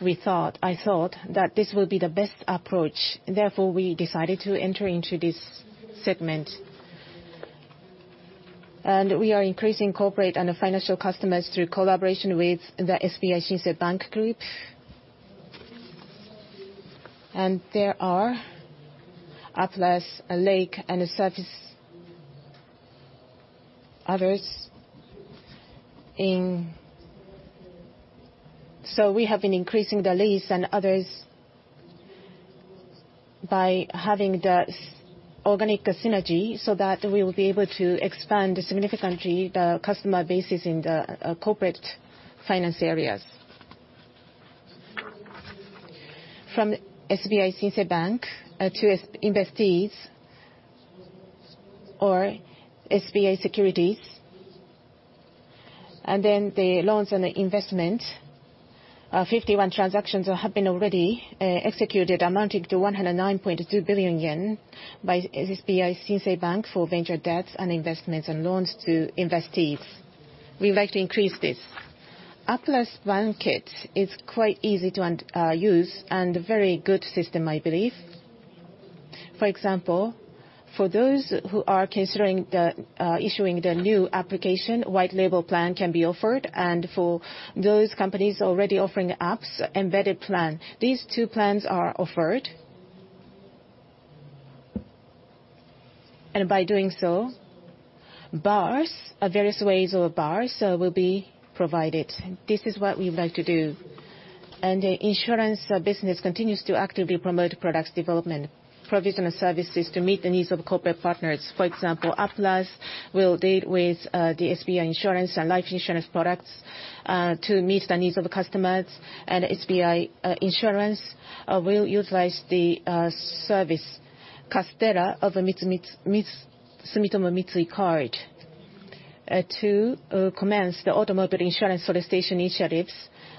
I thought that this will be the best approach. Therefore, we decided to enter into this segment. We are increasing corporate and financial customers through collaboration with the SBI Shinsei Bank group. There are Atlas, Lake, and Service, others in... We have been increasing the lease and others by having the organic synergy so that we will be able to expand significantly the customer bases in the corporate finance areas. From SBI Shinsei Bank to investees or SBI Securities, the loans and the investment, 51 transactions have been already executed amounting to 109.2 billion yen by SBI Shinsei Bank for venture debts and investments and loans to investees. We would like to increase this. Atlas Wallet is quite easy to use and a very good system, I believe. For example, for those who are considering the issuing the new application, white label plan can be offered. For those companies already offering apps, embedded plan. These two plans are offered. By doing so, BaaS, various ways of BaaS, will be provided. This is what we would like to do. The insurance business continues to actively promote products development, provision of services to meet the needs of corporate partners. For example, Atlas will deal with the SBI Insurance and life insurance products to meet the needs of the customers. SBI Insurance will utilize the service Castella of the Sumitomo Mitsui Card to commence the automobile insurance solicitation initiatives.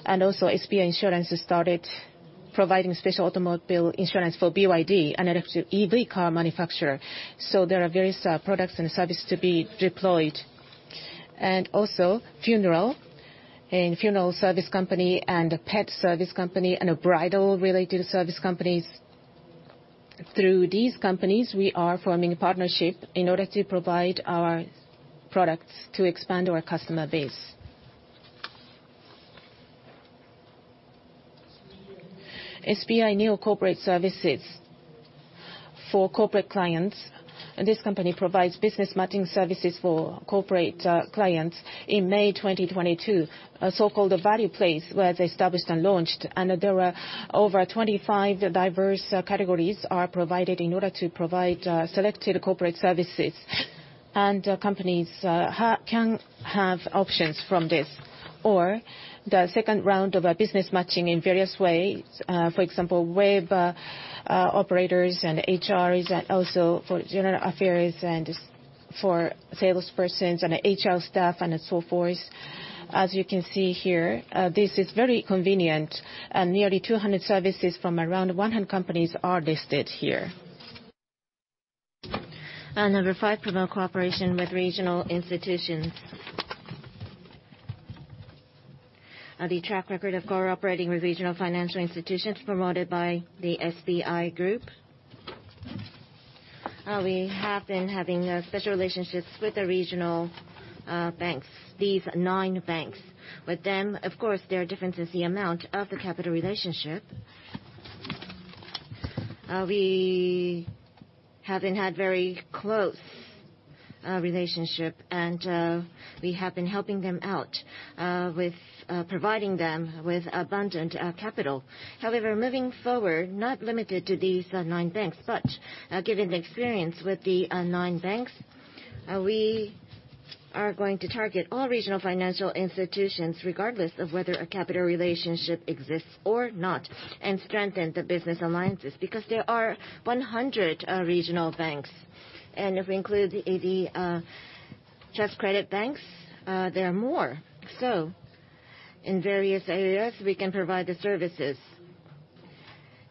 SBI Insurance has started providing special automobile insurance for BYD, an electric EV car manufacturer. There are various products and services to be deployed. A funeral service company and a pet service company and a bridal-related service companies. Through these companies, we are forming a partnership in order to provide our products to expand our customer base. SBI New Corporate Services for corporate clients, this company provides business matching services for corporate clients. In May 2022, a so-called Value Place was established and launched, there are over 25 diverse categories are provided in order to provide selected corporate services. Companies can have options from this, or the second round of a business matching in various ways. Uh, for example, web, uh, uh, operators and HRs and also for general affairs and for salespersons and HR staff and so forth. As you can see here, uh, this is very convenient, and nearly two hundred services from around one hundred companies are listed here. Uh, number five, promote cooperation with regional institutions. Uh, the track record of cooperating with regional financial institutions promoted by the SBI Group. Uh, we have been having, uh, special relationships with the regional, uh, banks, these nine banks. With them, of course, there are differences in the amount of the capital relationship. Uh, we have been had very close, uh, relationship, and, uh, we have been helping them out, uh, with, uh, providing them with abundant, uh, capital. Moving forward, not limited to these nine banks, but given the experience with the nine banks, we are going to target all regional financial institutions, regardless of whether a capital relationship exists or not, and strengthen the business alliances because there are 100 regional banks. If we include the 80 trust credit banks, there are more. In various areas, we can provide the services.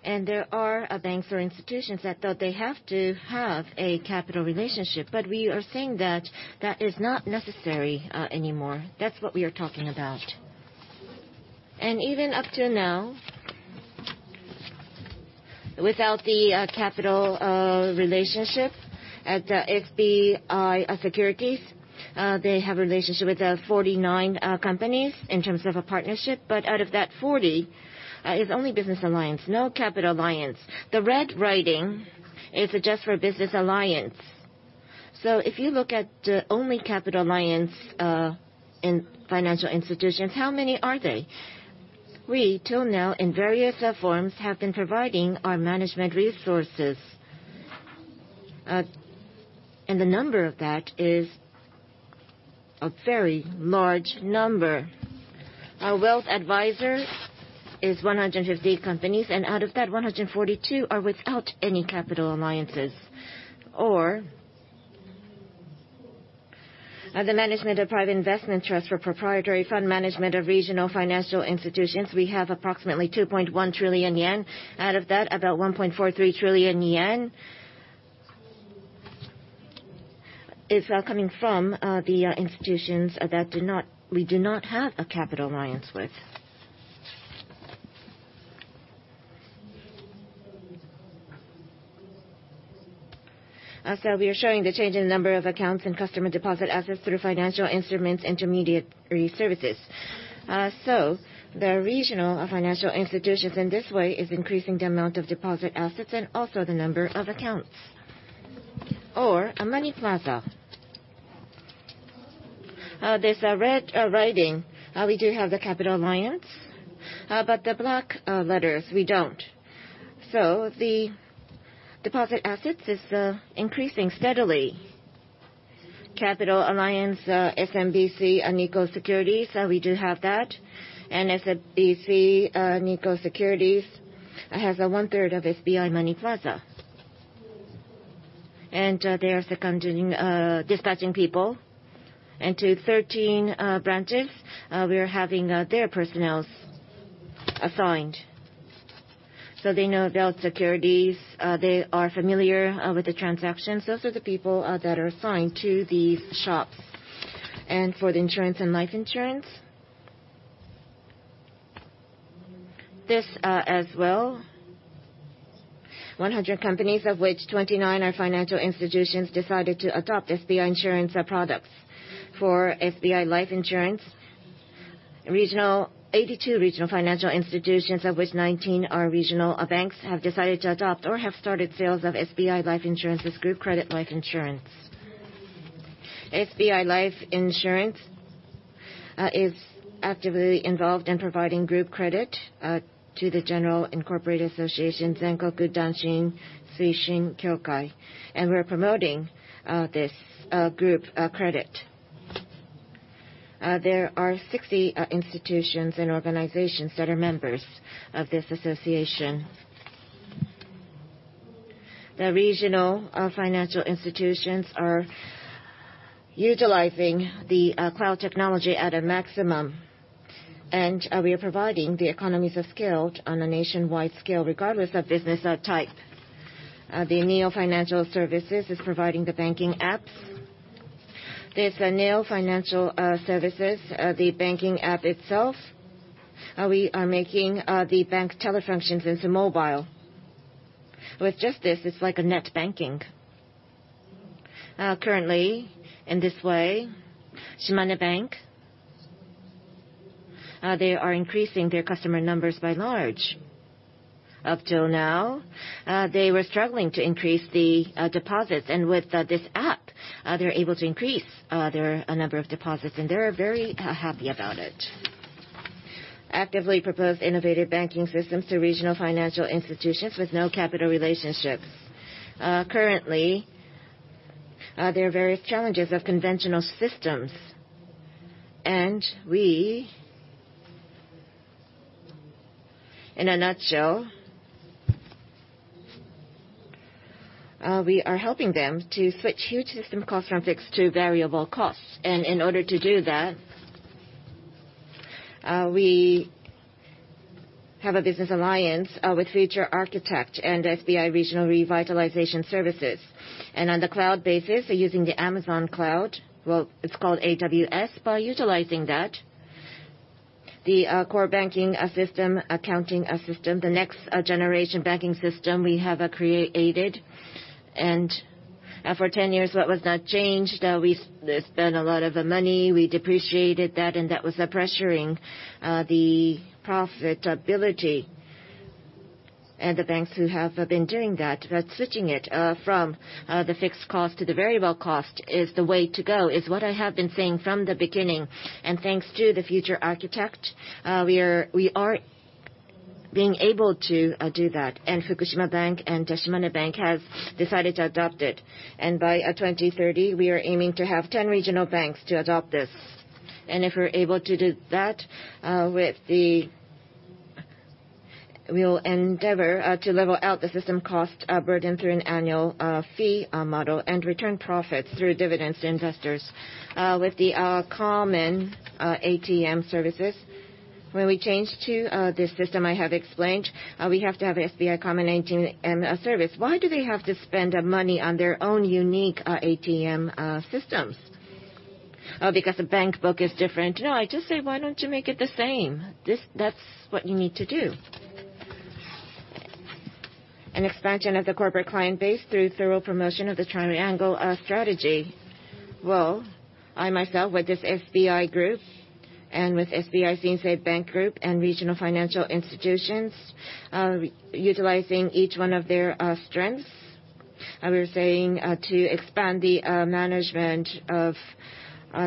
There are banks or institutions that thought they have to have a capital relationship, but we are saying that that is not necessary anymore. That's what we are talking about. Even up to now, without the capital relationship at SBI Securities, they have a relationship with 49 companies in terms of a partnership. Out of that 40, it's only business alliance, no capital alliance. The red writing is just for business alliance. If you look at only capital alliance in financial institutions, how many are they? We, till now, in various forms, have been providing our management resources. The number of that is a very large number. Our Wealth Advisor is 158 companies, and out of that, 142 are without any capital alliances. The management of private investment trust for proprietary fund management of regional financial institutions, we have approximately 2.1 trillion yen. Out of that, about 1.43 trillion yen is coming from the institutions we do not have a capital alliance with. We are showing the change in the number of accounts and customer deposit assets through financial instruments, intermediary services. The regional financial institutions in this way is increasing the amount of deposit assets and also the number of accounts. A Money Plaza. This red writing, we do have the capital alliance. The black letters, we don't. The deposit assets is increasing steadily. Capital alliance, SMBC and Nikko Securities, we do have that. SMBC Nikko Securities has 1/3 of SBI MONEY PLAZA. They are seconding, dispatching people into 13 branches. We are having their personnels assigned. They know about securities, they are familiar with the transactions. Those are the people that are assigned to these shops. For the insurance and life insurance, this as well, 100 companies, of which 29 are financial institutions, decided to adopt SBI Insurance products. For SBI Life Insurance, 82 regional financial institutions, of which 19 are regional banks, have decided to adopt or have started sales of SBI Life Insurance's group credit life insurance. SBI Life Insurance is actively involved in providing group credit to the general incorporated association, Zenkoku Danshin Suishin Kyokai, and we're promoting this group credit. There are 60 institutions and organizations that are members of this association. The regional financial institutions are utilizing the cloud technology at a maximum, and we are providing the economies of scale on a nationwide scale regardless of business type. The SBI NEO FINANCIAL SERVICES is providing the banking apps. This SBI NEO FINANCIAL SERVICES, the banking app itself, we are making the bank teller functions into mobile. With just this, it's like a net banking. Currently, in this way, Shimane Bank, they are increasing their customer numbers by large. Up till now, they were struggling to increase the deposits, and with this app, they're able to increase their number of deposits, and they are very happy about it. Actively propose innovative banking systems to regional financial institutions with no capital relationships. Currently, there are various challenges of conventional systems. We, in a nutshell, we are helping them to switch huge system costs from fixed to variable costs. In order to do that, we have a business alliance with Future Architect and SBI Regional Revitalization Services. On the cloud basis, using the Amazon cloud, well, it's called AWS, by utilizing that, the core banking system, accounting system, the next generation banking system we have created. For 10 years, what was not changed, we spent a lot of money, we depreciated that, and that was pressuring the profitability. The banks who have been doing that, but switching it from the fixed cost to the variable cost is the way to go, is what I have been saying from the beginning. Thanks to the Future Architect, we are being able to do that. The Fukushima Bank and The Shimane Bank have decided to adopt it. By 2030, we are aiming to have 10 regional banks to adopt this. If we're able to do that, we will endeavor to level out the system cost burden through an annual fee model and return profits through dividends to investors. With the common ATM services. When we change to this system I have explained, we have to have SBI common ATM and service. Why do they have to spend money on their own unique ATM systems? Because the bank book is different. No, I just say, "Why don't you make it the same? That's what you need to do. An expansion of the corporate client base through thorough promotion of the triangle strategy. Well, I myself with this SBI Group and with SBI Shinsei Bank Group and regional financial institutions, utilizing each one of their strengths, we're saying to expand the management of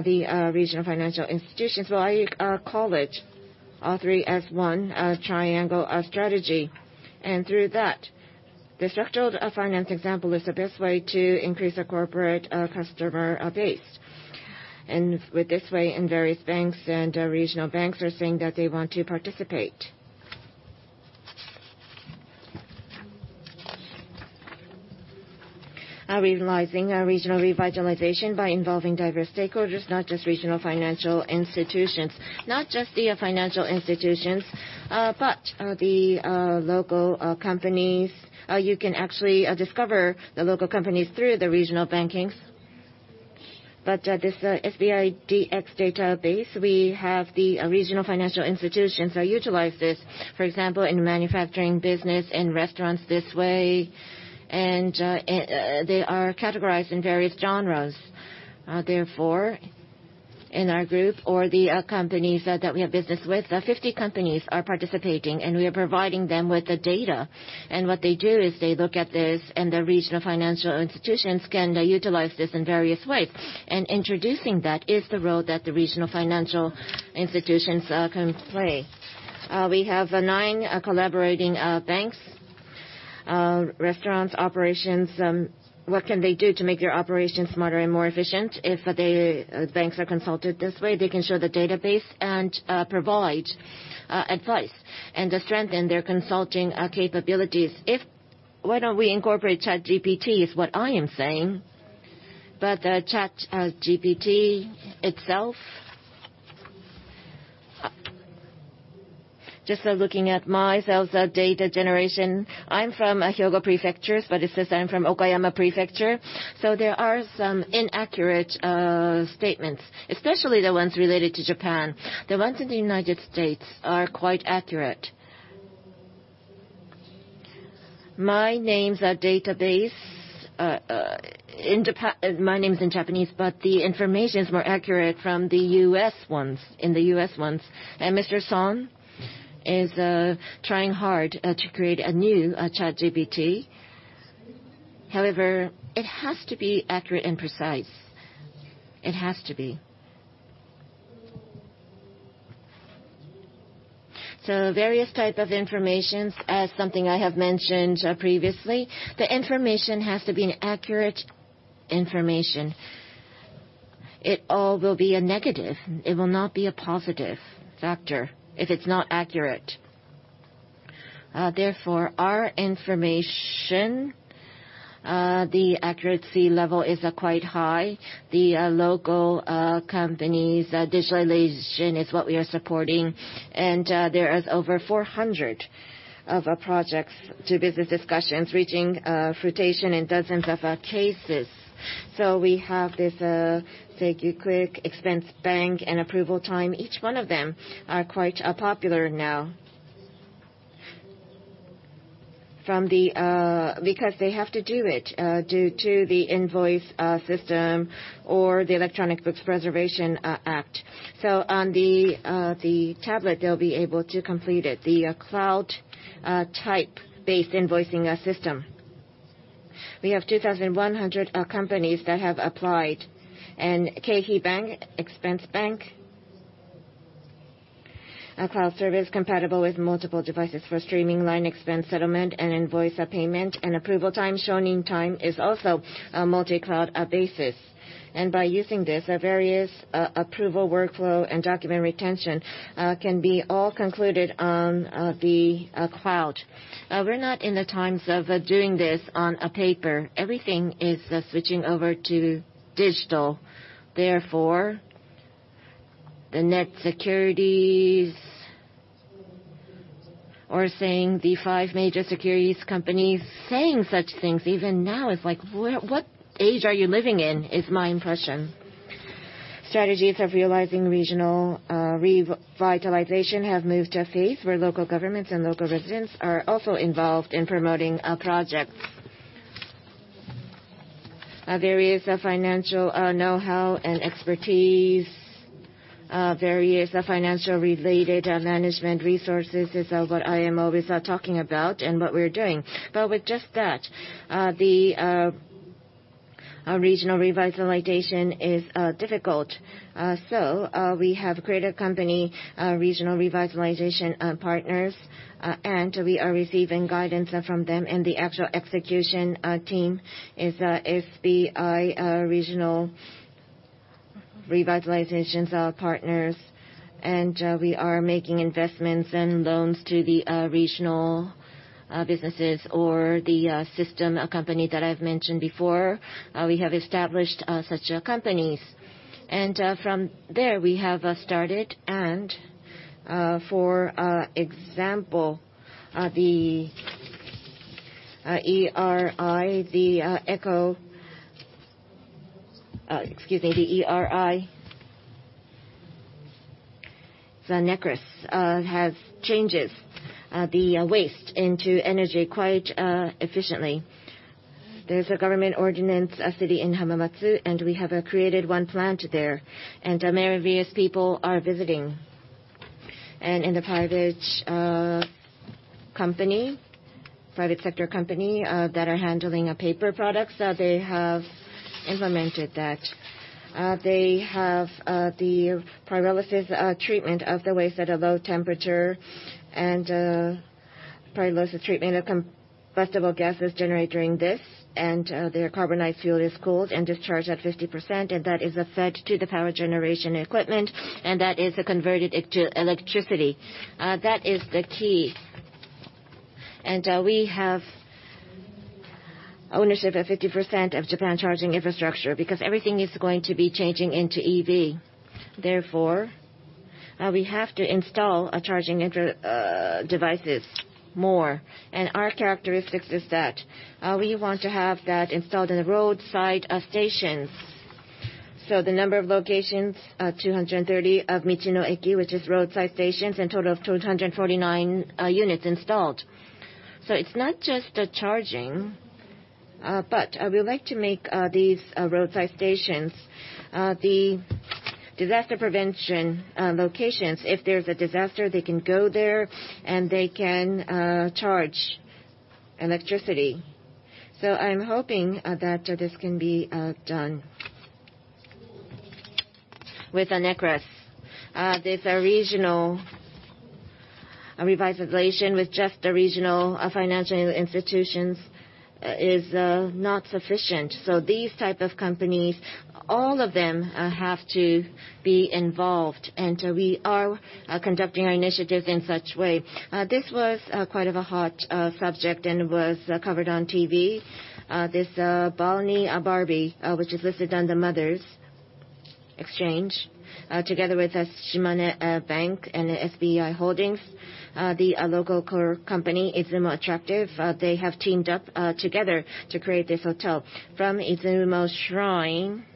the regional financial institutions. Well, I call it all three as one triangle strategy. Through that, the structured finance example is the best way to increase a corporate customer base. With this way, and various banks and regional banks are saying that they want to participate. Realizing regional revitalization by involving diverse stakeholders, not just regional financial institutions, not just the financial institutions, but the local companies. You can actually discover the local companies through the regional bankings. This SBI DX database, we have the regional financial institutions utilize this, for example, in manufacturing business, in restaurants this way, and they are categorized in various genres. In our group or the companies that we have business with, 50 companies are participating, and we are providing them with the data. What they do is they look at this, and the regional financial institutions can utilize this in various ways. Introducing that is the role that the regional financial institutions can play. We have nine collaborating banks, restaurants, operations, what can they do to make your operations smarter and more efficient? If the banks are consulted this way, they can show the database and provide advice and to strengthen their consulting capabilities. Why don't we incorporate ChatGPT is what I am saying. ChatGPT itself, just looking at myself's data generation, I'm from Hyogo Prefecture, but it says I'm from Okayama Prefecture. There are some inaccurate statements, especially the ones related to Japan. The ones in the United States are quite accurate. My name's database in Japanese, but the information is more accurate in the U.S. ones. Mr. Son is trying hard to create a new ChatGPT. However, it has to be accurate and precise. It has to be. Various type of informations, something I have mentioned previously, the information has to be an accurate information. It all will be a negative. It will not be a positive factor if it's not accurate. Therefore, our information, the accuracy level is quite high. The local companies digitalization is what we are supporting. There is over 400 of projects to business discussions reaching fruition in dozens of cases. We have this Seikyu Click, Expense BANK, and Approval Time. Each one of them are quite popular now. From the Because they have to do it due to the invoice system or the Electronic Books Preservation Act. On the tablet, they'll be able to complete it. The cloud type-based invoicing system. We have 2,100 companies that have applied. Keihi BANK, Expense BANK, a cloud service compatible with multiple devices for streaming line expense settlement and invoice payment, and Approval Time. Shonin TIME is also a multi-cloud basis. By using this, various approval workflow and document retention can be all concluded on the cloud. We're not in the times of doing this on a paper. Everything is switching over to digital. The net securities are saying, the five major securities companies saying such things even now is like, "What age are you living in?" is my impression. Strategies of realizing regional revitalization have moved apace where local governments and local residents are also involved in promoting projects. Various financial know-how and expertise, various financial-related management resources is what I am always talking about and what we're doing. With just that, the regional revitalization is difficult. We have created a company, Regional Revitalization Partners, and we are receiving guidance from them. The actual execution team is SBI Regional Revitalization Partners. We are making investments and loans to the regional businesses or the system company that I've mentioned before. We have established such companies. From there we have started and for example, the ERE. The EReS has changes the waste into energy quite efficiently. There's a government ordinance, a city in Hamamatsu, and we have created one plant there. Various people are visiting. In the private company, private sector company that are handling paper products, they have implemented that. They have the pyrolysis treatment of the waste at a low temperature and pyrolysis treatment of combustible gases generated during this. Their carbonized fuel is cooled and discharged at 50%, and that is fed to the power generation equipment, and that is converted into electricity. That is the key. We have ownership of 50% of Japan charging infrastructure because everything is going to be changing into EV. Therefore, we have to install charging devices more. Our characteristics is that we want to have that installed in the roadside stations. The number of locations, 230 of Michino Eki, which is roadside stations, and total of 249 units installed. It's not just the charging, but we would like to make these roadside stations the disaster prevention locations. If there's a disaster, they can go there, and they can charge electricity. I'm hoping that this can be done with the EReS. This regional revitalization with just the regional financial institutions is not sufficient. These type of companies, all of them, have to be involved, and we are conducting our initiatives in such way. This was quite of a hot subject and was covered on TV. This Balnibarbi, which is listed under Mothers Exchange, together with Shimane Bank and SBI Holdings, the local core company, Izumo Attractive, they have teamed up together to create this hotel. From Izumo Shrine,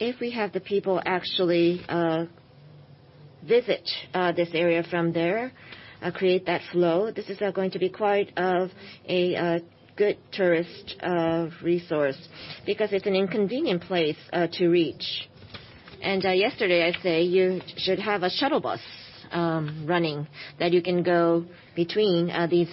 if we have the people actually visit this area from there, create that flow, this is going to be quite of a good tourist resource because it's an inconvenient place to reach. Yesterday I say, "You should have a shuttle bus running that you can go between these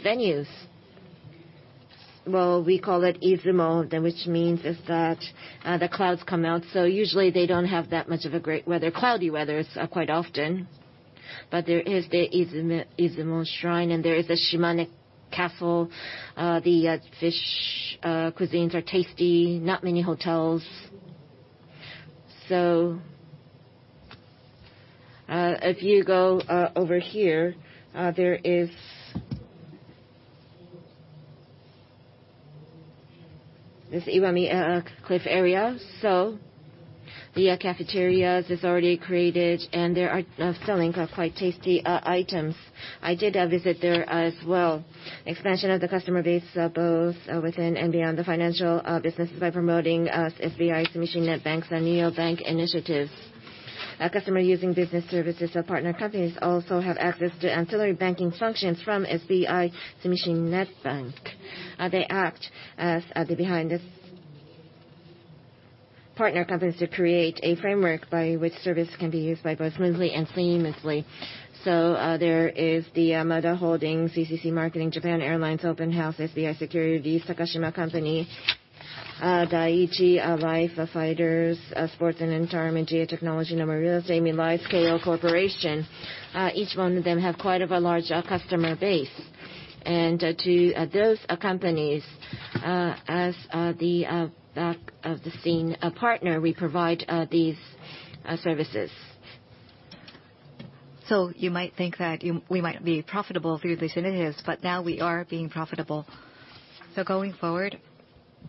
venues." We call it Izumo, then which means is that the clouds come out, so usually they don't have that much of a great weather. Cloudy weather is quite often. There is the Izumo Shrine, and there is the Shimane Castle. The fish cuisines are tasty. Not many hotels. If you go over here, there is this Iwami Cliff Area. The cafeterias is already created, and they are selling quite tasty items. I did visit there as well. Expansion of the customer base, both within and beyond the financial businesses by promoting SBI Sumishin Net Bank's Neo Bank initiatives. Customer using business services of partner companies also have access to ancillary banking functions from SBI Sumishin Net Bank. They act as the behind-the-partner companies to create a framework by which service can be used by both smoothly and seamlessly. There is the Muda Holdings, CCC Marketing, Japan Airlines, Open House, SBI Securities, Takashimaya Company, Dai-ichi Life, the Fighters Sports and Entertainment, GA Technologies, Nomura, Mitsubishi UFJ, KL Corporation. Each one of them have quite of a large customer base. To those companies, as the back of the scene partner, we provide these services. You might think that we might be profitable through these initiatives, but now we are being profitable. Going forward,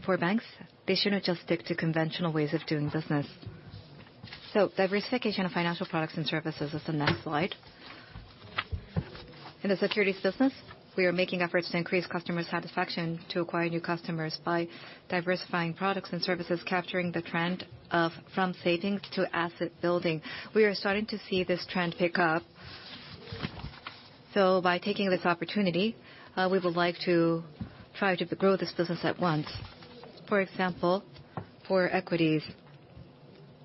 for banks, they shouldn't just stick to conventional ways of doing business. Diversification of financial products and services is the next slide. In the securities business, we are making efforts to increase customer satisfaction to acquire new customers by diversifying products and services, capturing the trend of from savings to asset building. We are starting to see this trend pick up. By taking this opportunity, we would like to try to grow this business at once. For example, for equities,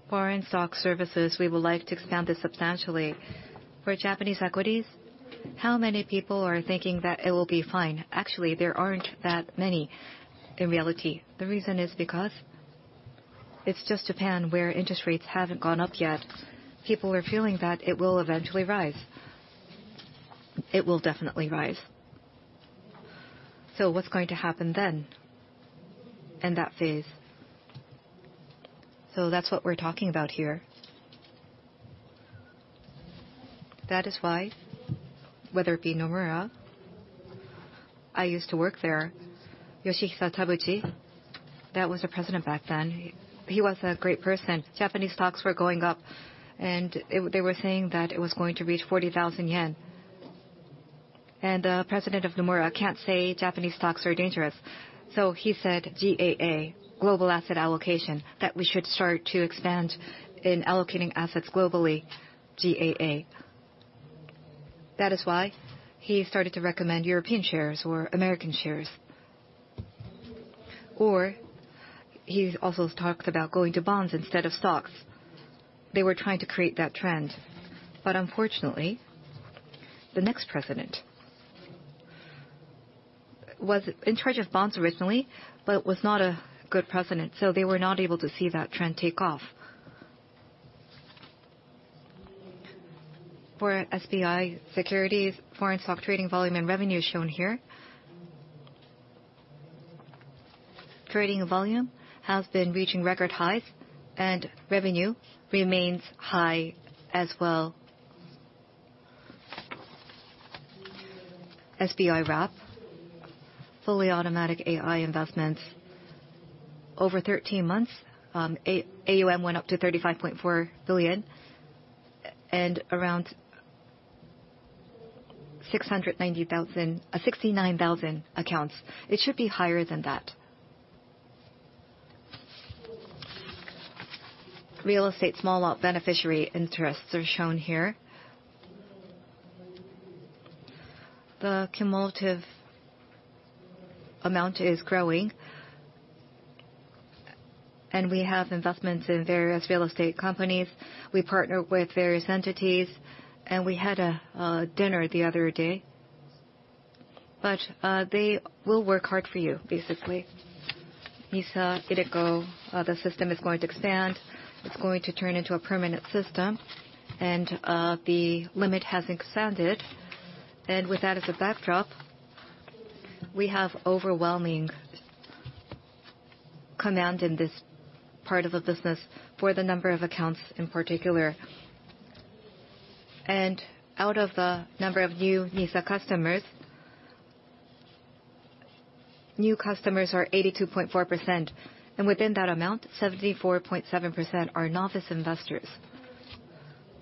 foreign stock services, we would like to expand this substantially. For Japanese equities, how many people are thinking that it will be fine? Actually, there aren't that many in reality. The reason is because it's just Japan where interest rates haven't gone up yet. People are feeling that it will eventually rise. It will definitely rise. What's going to happen then in that phase? That's what we're talking about here. That is why, whether it be Nomura, I used to work there, Yoshihisa Tabuchi. That was the President back then. He was a great person. Japanese stocks were going up, and they were saying that it was going to reach 40,000 yen. And President of Nomura can't say Japanese stocks are dangerous. He said GAA, global asset allocation, that we should start to expand in allocating assets globally, GAA. That is why he started to recommend European shares or American shares. He also talked about going to bonds instead of stocks. They were trying to create that trend. Unfortunately, the next president was in charge of bonds originally, but was not a good president, so they were not able to see that trend take off. For SBI Securities, foreign stock trading volume and revenue shown here. Trading volume has been reaching record highs, and revenue remains high as well. SBI Wrap, fully automatic AI investments. Over 13 months, AUM went up to 35.4 billion and around 69,000 accounts. It should be higher than that. Real estate small lot beneficiary interests are shown here. The cumulative amount is growing. We have investments in various real estate companies. We partner with various entities, and we had a dinner the other day. They will work hard for you, basically. NISA, iDeCo, the system is going to expand. It's going to turn into a permanent system, and the limit has expanded. With that as a backdrop, we have overwhelming command in this part of the business for the number of accounts in particular. Out of the number of new NISA customers, new customers are 82.4%, and within that amount, 74.7% are novice investors.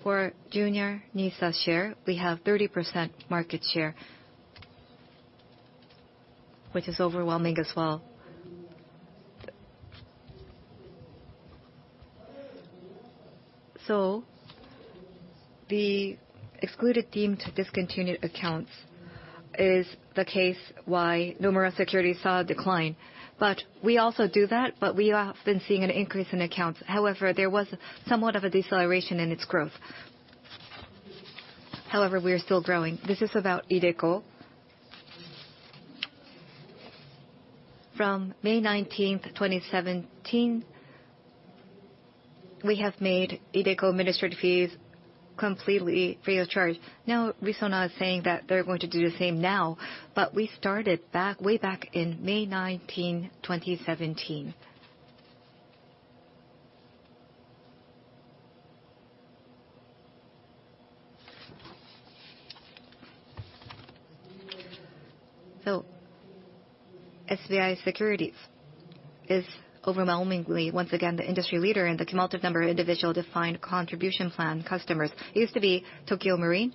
For Junior NISA share, we have 30% market share, which is overwhelming as well. The excluded deemed discontinued accounts is the case why Nomura Securities saw a decline. We also do that, but we have been seeing an increase in accounts. There was somewhat of a deceleration in its growth. We are still growing. This is about iDeCo. From May 19th, 2017, we have made iDeCo administrative fees completely free of charge. Resona is saying that they're going to do the same now, but we started back, way back in May 19, 2017. SBI Securities is overwhelmingly, once again, the industry leader in the cumulative number of individual defined contribution plan customers. It used to be Tokio Marine,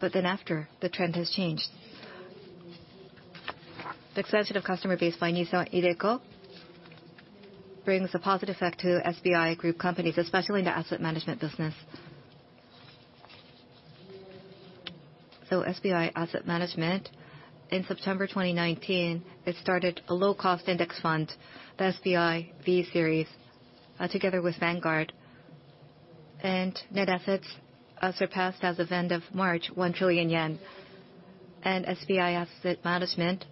but then after, the trend has changed. The expansion of customer base by NISA iDeCo brings a positive effect to SBI Group companies, especially in the asset management business. SBI Asset Management, in September 2019, it started a low-cost index fund, the SBI V-Series, together with Vanguard. Net assets surpassed as of end of March 1 trillion yen. SBI Asset Management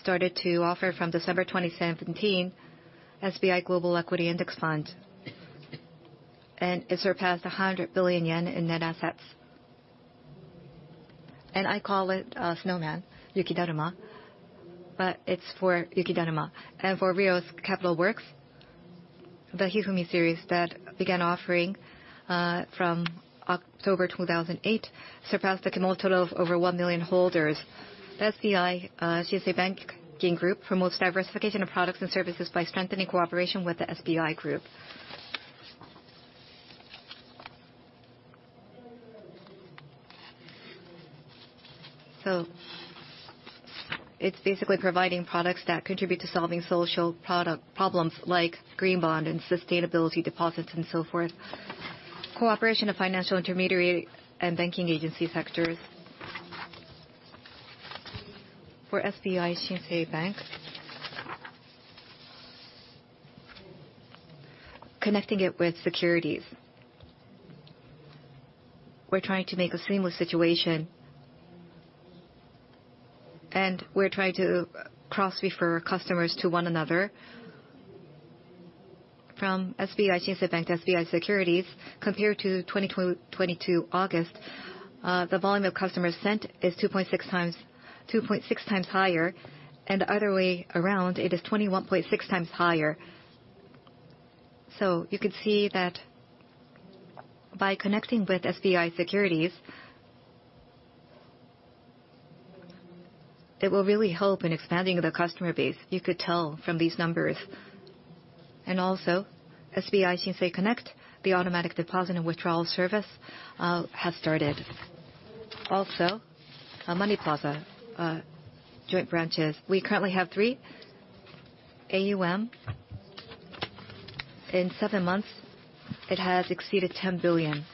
started to offer from December 2017, SBI Global Equity Index Fund, and it surpassed 100 billion yen in net assets. I call it snowman, Yukidaruma, but it's for Yukidaruma. For Rheos Capital Works, the Hifumi series that began offering from October 2008 surpassed a cumulative of over 1 million holders. SBI Shinsei Banking Group promotes diversification of products and services by strengthening cooperation with the SBI Group. It's basically providing products that contribute to solving social problems like green bond and sustainability deposits and so forth. Cooperation of financial intermediary and banking agency sectors. For SBI Shinsei Bank, connecting it with securities, we're trying to make a seamless situation, and we're trying to cross-refer customers to one another. From SBI Shinsei Bank to SBI Securities, compared to 2022 August, the volume of customers sent is 2.6 times higher, and the other way around it is 21.6 times higher. You can see that By connecting with SBI Securities, it will really help in expanding the customer base. You could tell from these numbers. Also, SBI Shinsei Connect, the automatic deposit and withdrawal service has started. Also, our Money Plaza joint branches, we currently have three AUM. In seven months, it has exceeded 10 billion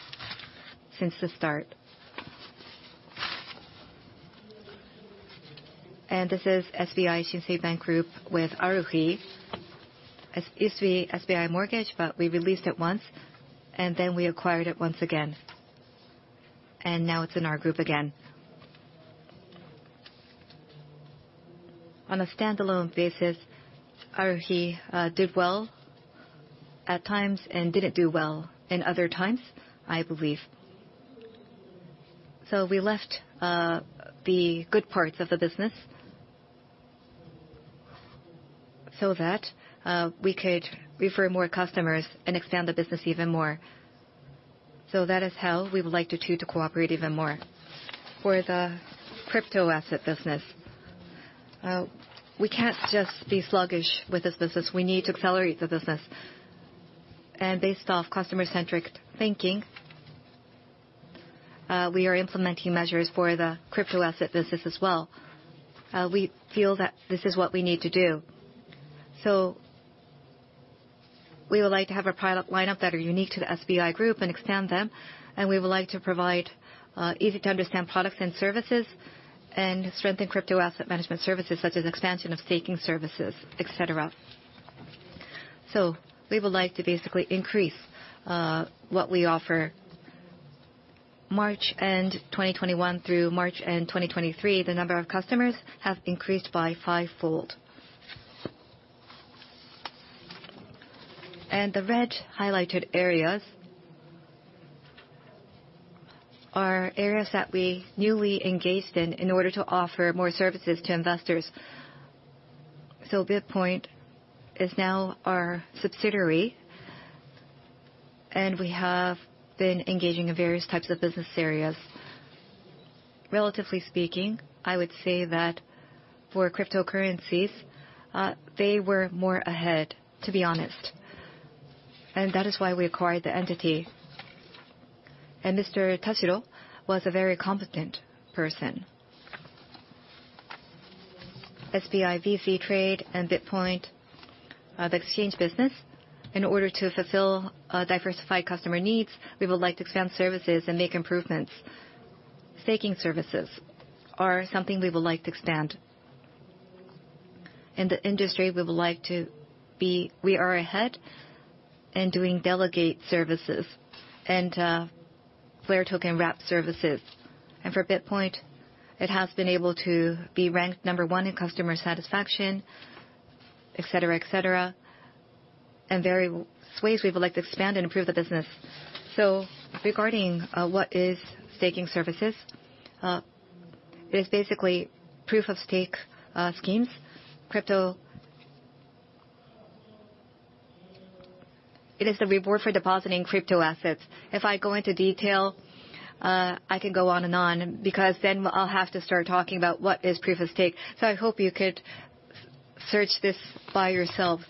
since the start. This is SBI Shinsei Bank Group with ARUHI. It used to be SBI Mortgage, but we released it once, and then we acquired it once again. And now it's in our group again. On a standalone basis, ARUHI did well at times and didn't do well in other times, I believe. We left the good parts of the business so that we could refer more customers and expand the business even more. That is how we would like the two to cooperate even more. For the crypto asset business, we can't just be sluggish with this business. We need to accelerate the business. Based off customer-centric thinking, we are implementing measures for the crypto asset business as well. We feel that this is what we need to do. We would like to have a product lineup that are unique to the SBI Group and expand them, and we would like to provide easy-to-understand products and services, and strengthen crypto asset management services such as expansion of staking services, et cetera. We would like to basically increase, what we offer. March end 2021 through March end 2023, the number of customers have increased by fivefold. The red highlighted areas are areas that we newly engaged in in order to offer more services to investors. BitPoint is now our subsidiary, and we have been engaging in various types of business areas. Relatively speaking, I would say that for cryptocurrencies, they were more ahead, to be honest, and that is why we acquired the entity. Mr. Tashiro was a very competent person. SBI VC Trade and BitPoint, the exchange business, in order to fulfill diversified customer needs, we would like to expand services and make improvements. Staking services are something we would like to expand. In the industry, we are ahead in doing delegate services and flare token wrap services. For BitPoint, it has been able to be ranked number one in customer satisfaction, et cetera, et cetera. In various ways, we would like to expand and improve the business. Regarding what is staking services, it is basically Proof of Stake schemes. It is the reward for depositing crypto assets. If I go into detail, I could go on and on because then I'll have to start talking about what is Proof of Stake. I hope you could search this by yourself.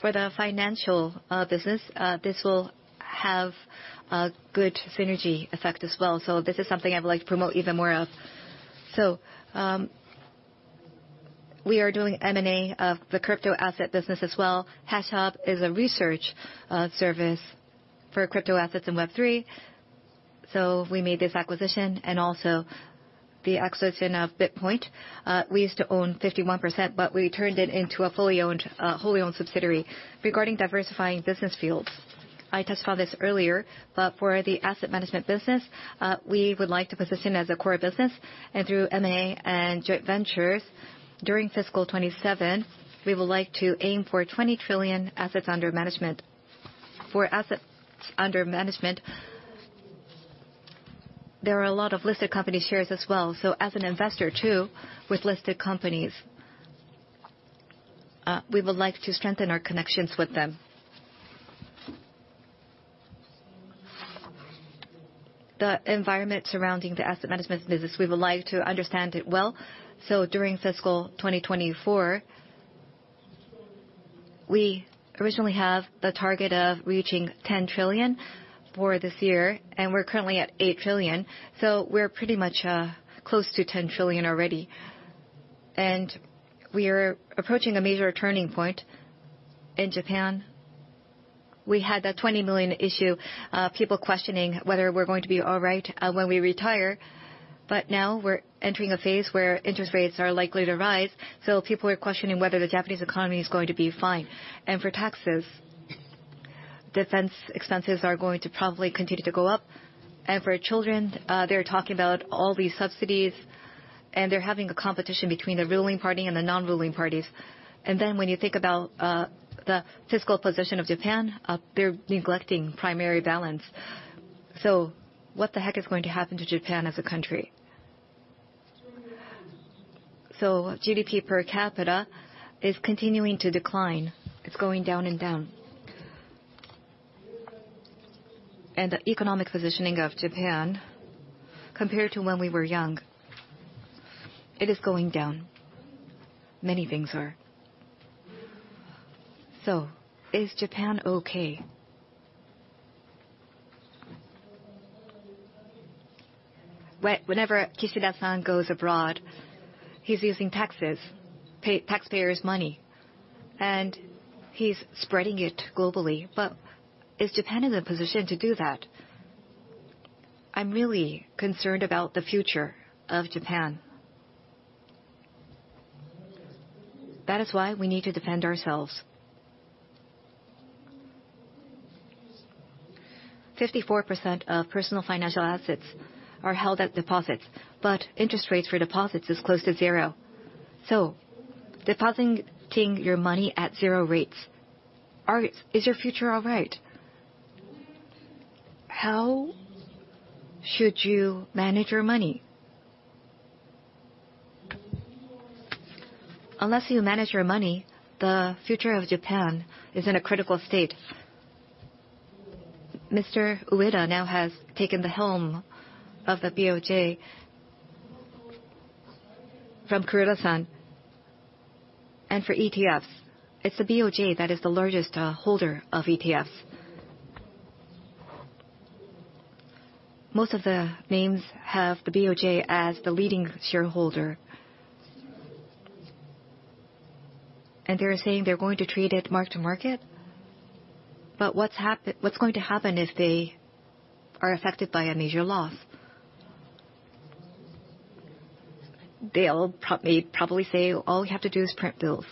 For the financial business, this will have a good synergy effect as well. This is something I would like to promote even more of. We are doing M&A of the crypto asset business as well. HashHub is a research service for crypto assets in Web3. We made this acquisition and also the acquisition of BITPoint. We used to own 51%, we turned it into a fully owned, wholly owned subsidiary. Regarding diversifying business fields, I touched on this earlier, for the asset management business, we would like to position as a core business. Through M&A and joint ventures during fiscal 2027, we would like to aim for 20 trillion assets under management. For assets under management, there are a lot of listed company shares as well. As an investor too, with listed companies, we would like to strengthen our connections with them. The environment surrounding the asset management business, we would like to understand it well. During Fiscal 2024, we originally have the target of reaching 10 trillion for this year, and we're currently at 8 trillion. We're pretty much, close to 10 trillion already. We are approaching a major turning point in Japan. We had the 20 million issue, people questioning whether we're going to be all right, when we retire, but now we're entering a phase where interest rates are likely to rise. People are questioning whether the Japanese economy is going to be fine. For taxes, defense expenses are going to probably continue to go up. For children, they're talking about all these subsidies, and they're having a competition between the ruling party and the non-ruling parties. When you think about, the fiscal position of Japan, they're neglecting primary balance. What the heck is going to happen to Japan as a country? GDP per capita is continuing to decline. It's going down and down. The economic positioning of Japan compared to when we were young, it is going down. Many things are. Is Japan okay? Whenever Kishida-san goes abroad, he's using taxes, taxpayers' money, and he's spreading it globally. Is Japan in the position to do that? I'm really concerned about the future of Japan. That is why we need to defend ourselves. 54% of personal financial assets are held at deposits, but interest rates for deposits is close to 0. Depositing your money at 0 rates, is your future all right? How should you manage your money? Unless you manage your money, the future of Japan is in a critical state. Mr. Ueda now has taken the helm of the BOJ from Kuroda-san. For ETFs, it's the BOJ that is the largest holder of ETFs. Most of the names have the BOJ as the leading shareholder. They're saying they're going to trade it mark to market. What's going to happen if they are affected by a major loss? They all probably say, "All we have to do is print bills."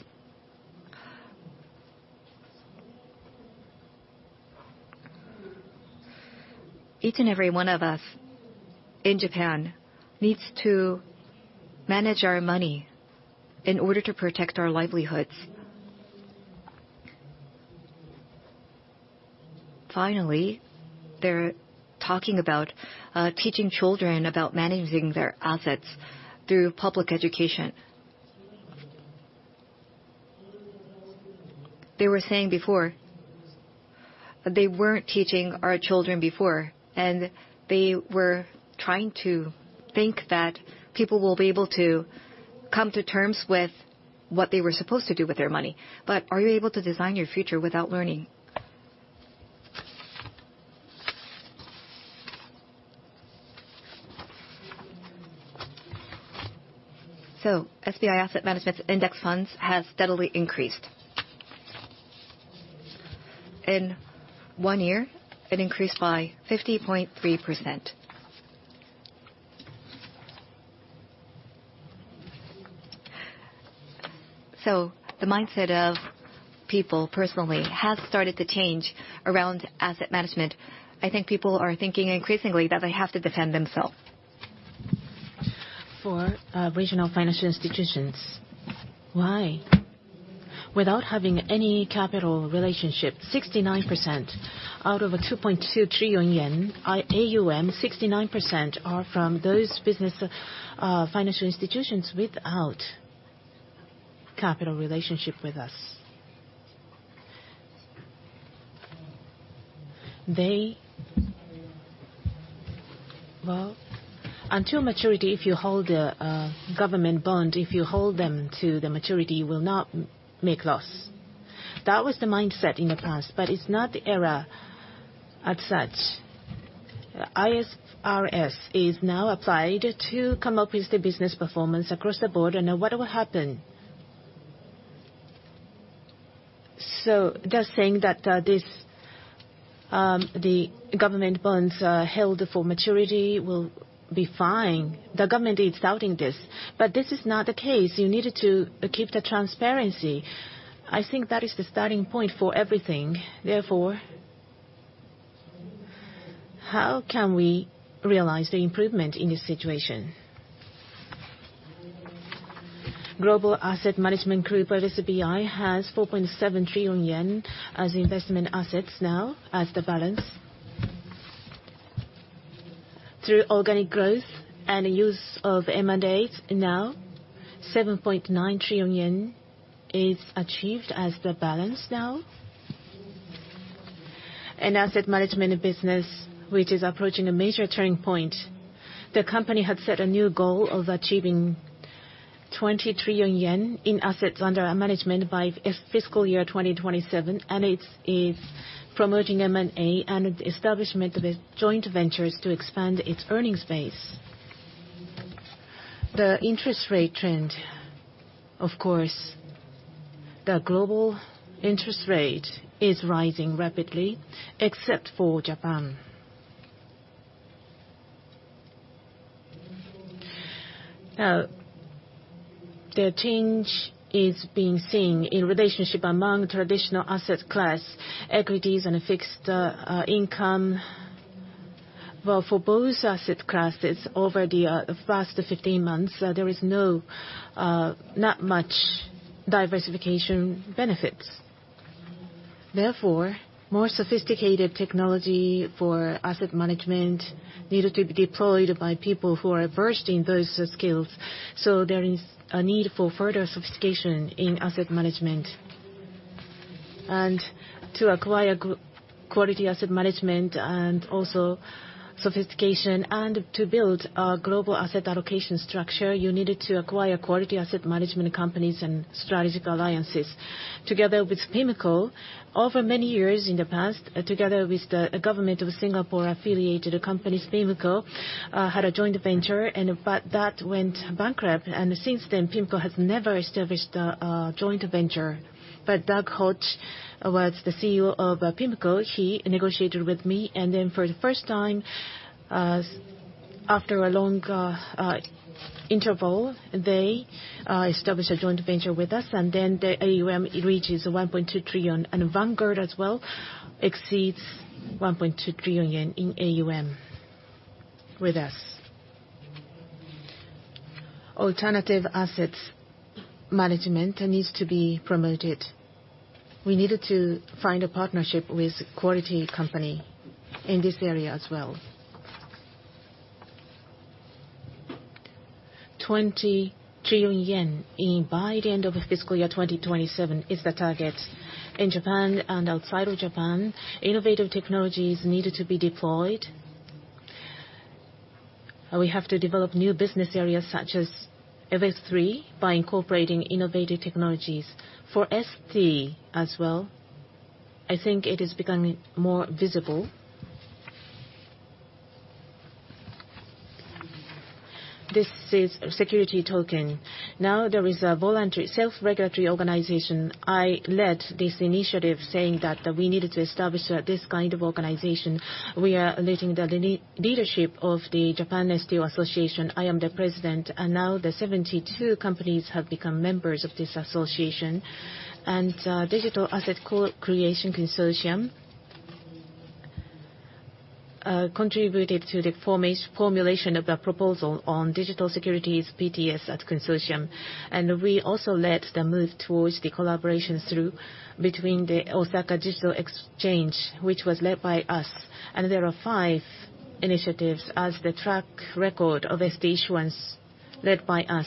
Each and every one of us in Japan needs to manage our money in order to protect our livelihoods. Finally, they're talking about teaching children about managing their assets through public education. They were saying before that they weren't teaching our children before, and they were trying to think that people will be able to come to terms with what they were supposed to do with their money. Are you able to design your future without learning? SBI Asset Management's index funds has steadily increased. In one year, it increased by 50.3%. The mindset of people personally has started to change around asset management. I think people are thinking increasingly that they have to defend themselves. For regional financial institutions, why? Without having any capital relationship, 69% out of 2.2 trillion yen AUM, 69% are from those business financial institutions without capital relationship with us. Well, until maturity, if you hold the government bond, if you hold them to the maturity, you will not make loss. That was the mindset in the past, but it's not the era as such. IFRS is now applied to come up with the business performance across the board, and now what will happen? They're saying that this the government bonds held for maturity will be fine. The government is doubting this, but this is not the case. You needed to keep the transparency. I think that is the starting point for everything. Therefore, how can we realize the improvement in this situation? Global asset management group of SBI has 4.7 trillion yen as investment assets now as the balance. Through organic growth and use of M&A now, 7.9 trillion yen is achieved as the balance now. In asset management business, which is approaching a major turning point, the company had set a new goal of achieving 20 trillion yen in assets under management by fiscal year 2027, and it is promoting M&A and establishment of joint ventures to expand its earnings base. The interest rate trend, of course, the global interest rate is rising rapidly except for Japan. The change is being seen in relationship among traditional asset class, equities and fixed income. Well, for both asset classes over the past 15 months, there is no not much diversification benefits. Therefore, more sophisticated technology for asset management needed to be deployed by people who are versed in those skills, so there is a need for further sophistication in asset management. To acquire quality asset management and also sophistication and to build our global asset allocation structure, you needed to acquire quality asset management companies and strategic alliances. Together with PIMCO, over many years in the past, together with the government of Singapore affiliated companies, PIMCO had a joint venture and but that went bankrupt. Since then, PIMCO has never established a joint venture. Douglas Hodge was the CEO of PIMCO. He negotiated with me, for the first time, after a long interval, they established a joint venture with us, the AUM, it reaches 1.2 trillion. Vanguard as well exceeds 1.2 trillion in AUM with us. Alternative assets management needs to be promoted. We needed to find a partnership with quality company in this area as well. 20 trillion yen in by the end of fiscal year 2027 is the target. In Japan and outside of Japan, innovative technologies needed to be deployed. We have to develop new business areas such as Web3 by incorporating innovative technologies. For ST as well, I think it is becoming more visible. This is security token. Now there is a voluntary self-regulatory organization. I led this initiative saying that we needed to establish this kind of organization. We are leading the leadership of the Japan ST Association. I am the president, and now the 72 companies have become members of this association. Digital Asset Co-Creation Consortium contributed to the formulation of the proposal on digital securities PTS at consortium. We also led the move towards the collaborations through between the Osaka Digital Exchange, which was led by us. There are five initiatives as the track record of ST issuance led by us.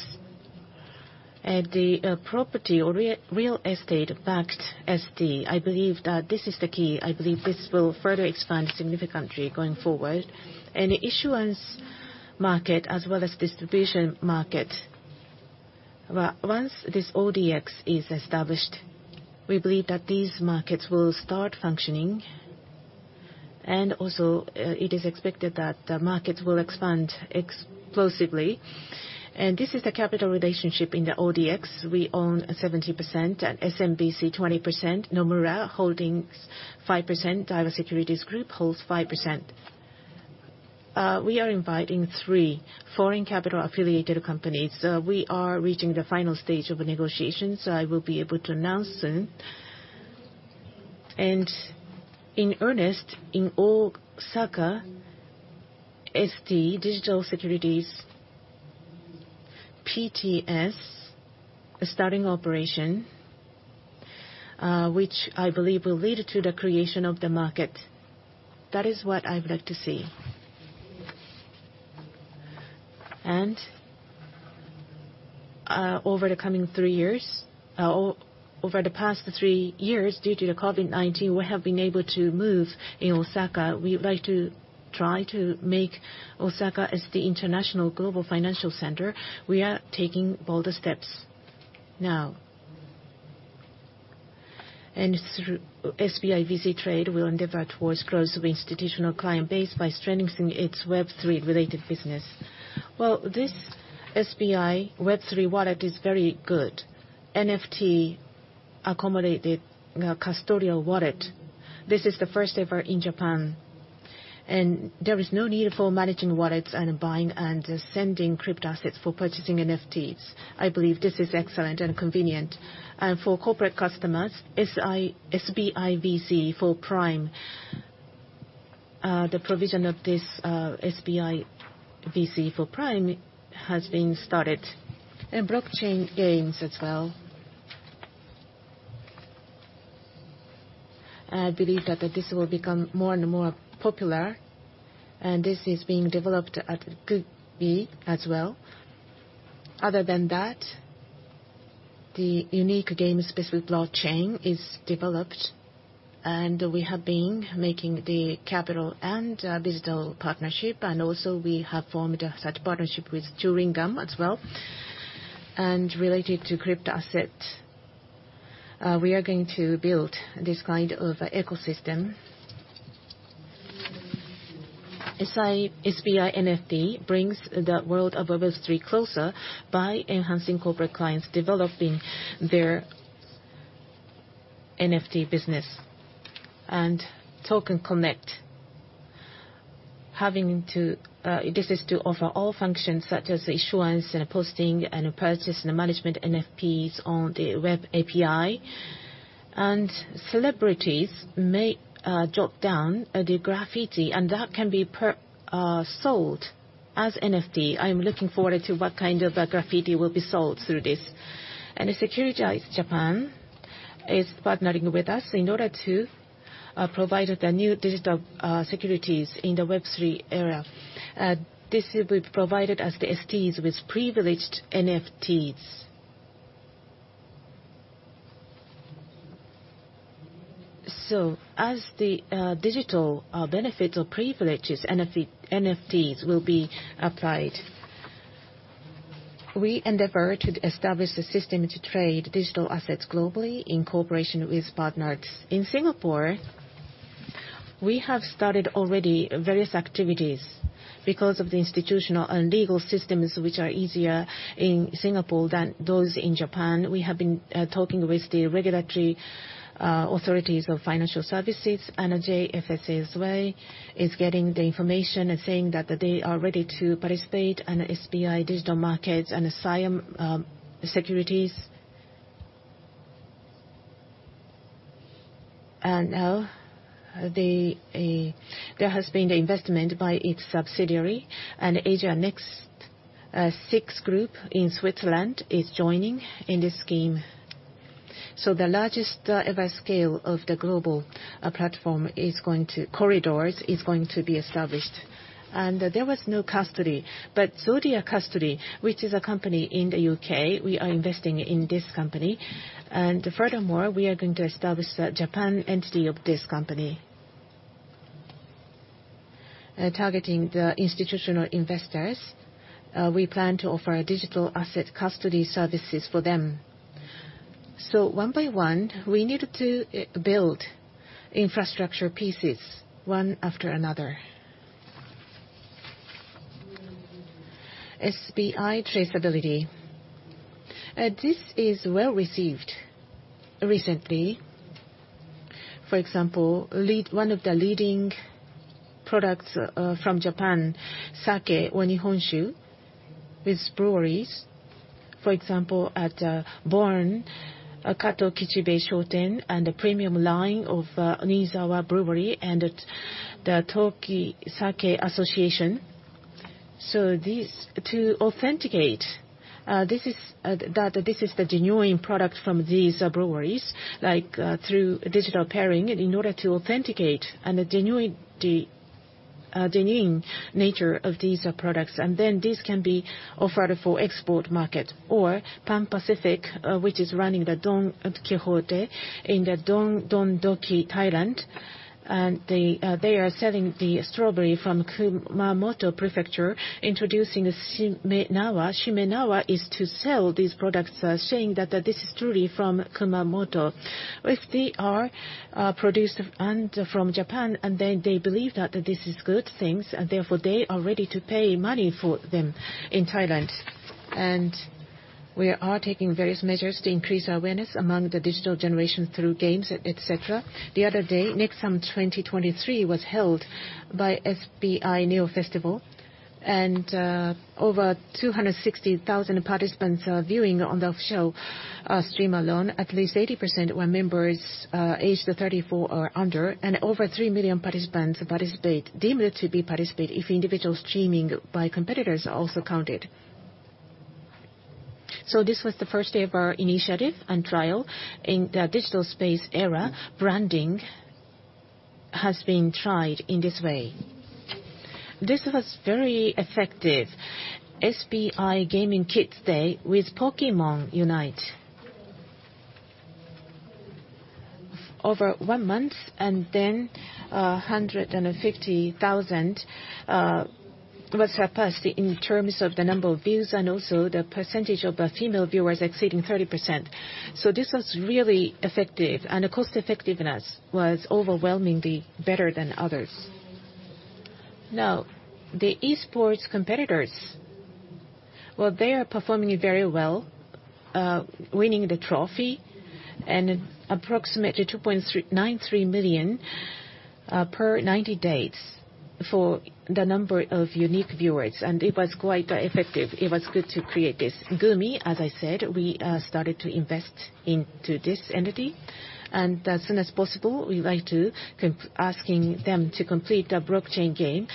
The property or real estate backed ST, I believe that this is the key. I believe this will further expand significantly going forward. Issuance market as well as distribution market, once this ODX is established, we believe that these markets will start functioning, it is expected that the markets will expand explosively. This is the capital relationship in the ODX. We own 70% and SMBC 20%, Nomura Holdings 5%, Daiwa Securities Group holds 5%. We are inviting 3 foreign capital affiliated companies. We are reaching the final stage of negotiations. I will be able to announce soon. In earnest, in Osaka, ST Digital Securities PTS starting operation, which I believe will lead to the creation of the market. That is what I would like to see. Over the coming 3 years, over the past 3 years, due to the COVID-19, we have been able to move in Osaka. We would like to try to make Osaka as the international global financial center. We are taking bolder steps now. Through SBI VC Trade, we'll endeavor towards growth of institutional client base by strengthening its Web3 related business. Well, this SBI Web3 Wallet is very good. NFT accommodated, you know, custodial wallet. This is the first ever in Japan, there is no need for managing wallets and buying and sending crypto assets for purchasing NFTs. I believe this is excellent and convenient. For corporate customers, SBI VC Trade for Prime, the provision of this SBI VC Trade for Prime has been started. Blockchain games as well. I believe that this will become more and more popular, and this is being developed at Gooby as well. Other than that, the unique game-specific blockchain is developed, and we have been making the capital and digital partnership, also we have formed a such partnership with Turingum as well. Related to crypto asset, we are going to build this kind of ecosystem. SBI NFT brings the world of Web3 closer by enhancing corporate clients developing their NFT business. Token Connect. This is to offer all functions such as issuance and posting and purchase and management NFTs on the web API. Celebrities may drop down the graffiti, and that can be sold as NFT. I'm looking forward to what kind of graffiti will be sold through this. Securitize Japan is partnering with us in order to provide the new digital securities in the Web3 era. This will be provided as the STs with privileged NFTs. As the digital benefits or privileges NFTs will be applied, we endeavor to establish a system to trade digital assets globally in cooperation with partners. In Singapore, we have started already various activities because of the institutional and legal systems which are easier in Singapore than those in Japan. We have been talking with the regulatory authorities of financial services, and JFSA as well is getting the information and saying that they are ready to participate, and SBI Digital Markets and SCB Securities. There has been investment by its subsidiary, and AsiaNext, SIX Group in Switzerland is joining in this scheme. The largest scale of the global Corridors is going to be established. There was no custody, but Zodia Custody, which is a company in the U.K., we are investing in this company. Furthermore, we are going to establish the Japan entity of this company. Targeting the institutional investors, we plan to offer digital asset custody services for them. One by one, we need to build infrastructure pieces one after another. SBI Traceability. This is well-received recently. For example, one of the leading products from Japan, sake or nihonshu, with breweries. For example, at Born (Kato Kichibei Shoten) and the premium line of Niizawa Brewery, and at the Tokisake Association. This, to authenticate, this is that this is the genuine product from these breweries, like, through digital pairing in order to authenticate and the genuity, genuine nature of these products. This can be offered for export market or Pan Pacific, which is running the Don Quijote in the DON DONKI, Thailand. They are selling the strawberry from Kumamoto Prefecture, introducing SHIMENAWA. SHIMENAWA is to sell these products, saying that this is truly from Kumamoto. If they are produced from Japan, they believe that this is good things, they are ready to pay money for them in Thailand. We are taking various measures to increase awareness among the digital generation through games, et cetera. The other day, NEXUM 2023 was held by SBI Neo Festival. Over 260,000 participants are viewing on the show, stream alone. At least 80% were members aged 34 or under, and over 3 million participants participate, deemed to be participate if individual streaming by competitors are also counted. This was the first ever initiative and trial in the digital space era. Branding has been tried in this way. This was very effective. SBI Gaming Kids Day with Pokémon UNITE. Over 1 month, 150,000 was surpassed in terms of the number of views, and also the percentage of female viewers exceeding 30%. This was really effective, and cost effectiveness was overwhelmingly better than others. The esports competitors, they are performing very well, winning the trophy, and approximately 2.93 million per 90 days for the number of unique viewers. It was quite effective. It was good to create this. Gumi, as I said, we started to invest into this entity. As soon as possible, we like to asking them to complete a blockchain game.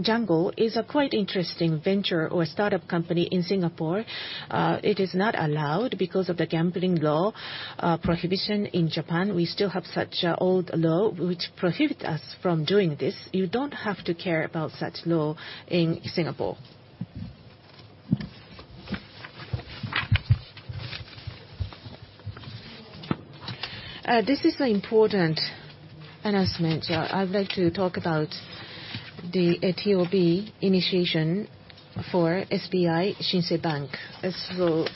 Jungle is a quite interesting venture or startup company in Singapore. It is not allowed because of the gambling law prohibition in Japan. We still have such old law which prohibit us from doing this. You don't have to care about such law in Singapore. This is the important announcement. I'd like to talk about the TOB initiation for SBI Shinsei Bank.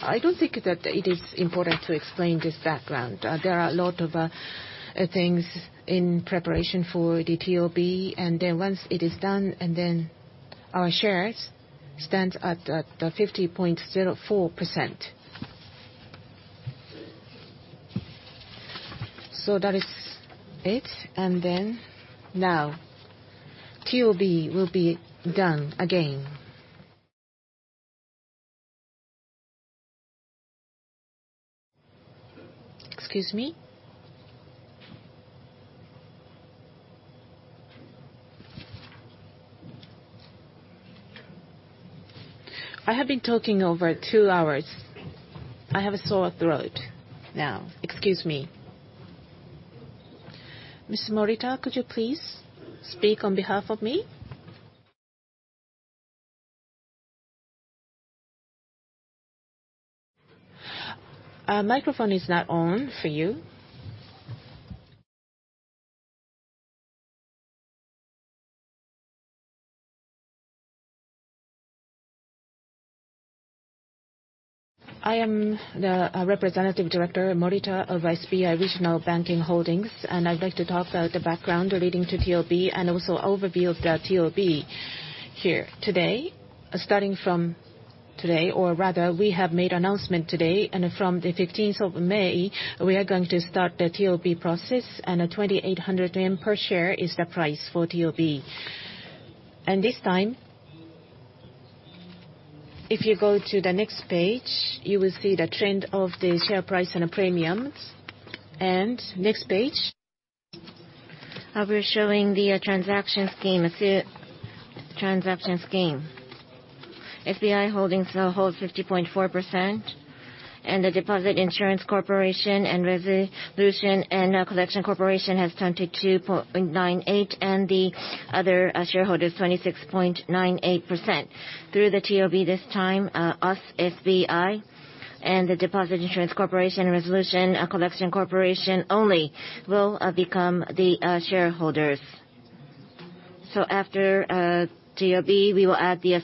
I don't think that it is important to explain this background. There are a lot of things in preparation for the TOB. Once it is done, our shares stands at 50.04%. That is it. Now, TOB will be done again. Excuse me. I have been talking over 2 hours. I have a sore throat now. Excuse me. Ms. Morita, could you please speak on behalf of me? Microphone is not on for you. I am the Representative Director, Morita of SBI Regional Bank Holdings, and I'd like to talk about the background relating to TOB and also overview of the TOB here today. Starting from today, or rather, we have made announcement today. From the 15th of May, we are going to start the TOB process. JPY 2,800 per share is the price for TOB. This time, if you go to the next page, you will see the trend of the share price and the premiums. Next page. We're showing the transaction scheme. See transaction scheme. SBI Holdings now holds 50.4%, and the Deposit Insurance Corporation and Resolution and Collection Corporation has 22.98%, and the other shareholders, 26.98%. Through the TOB this time, us, SBI, and the Deposit Insurance Corporation Resolution Collection Corporation only will become the shareholders. After TOB, we will add the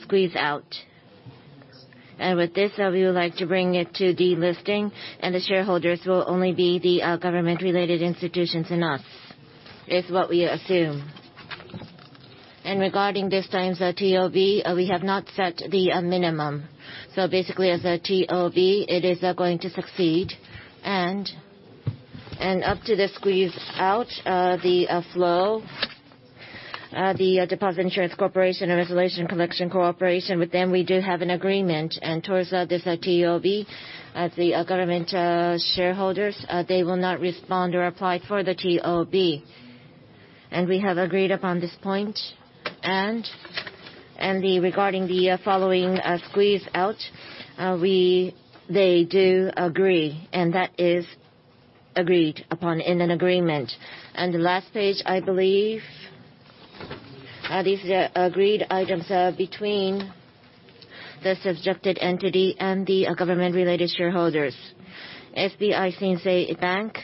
squeeze-out. With this, we would like to bring it to delisting, and the shareholders will only be the government-related institutions and us, is what we assume. Regarding this time's TOB, we have not set the minimum. Basically as a TOB, it is going to succeed, and up to the squeeze-out, the flow, the Deposit Insurance Corporation and Resolution Collection Corporation, with them we do have an agreement. Towards this TOB, the government shareholders, they will not respond or apply for the TOB. pon this point, and regarding the following squeeze out, they do agree, and that is agreed upon in an agreement. The last page, I believe, these are agreed items between the subjected entity and the government-related shareholders. SBI Shinsei Bank,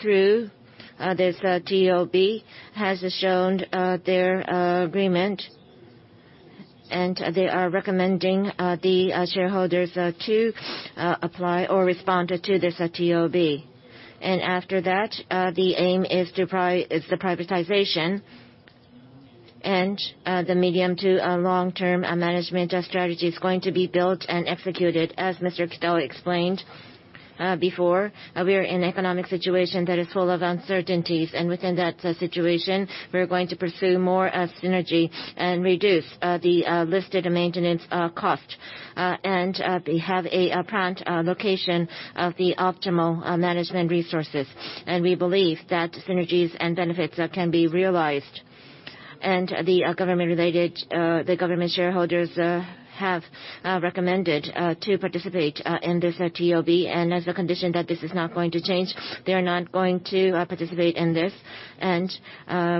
through this TOB, has shown their agreement, and they are recommending the shareholders to apply or respond to this TOB. After that, the aim is the privatization, and the medium to long-term management strategy is going to be built and executed as Mr. Kitao explained before. We are in economic situation that is full of uncertainties, and within that situation, we're going to pursue more synergy and reduce the listed maintenance cost and have a planned location of the optimal management resources. We believe that synergies and benefits can be realized. The government-related the government shareholders have recommended to participate in this TOB. As the condition that this is not going to change, they are not going to participate in this and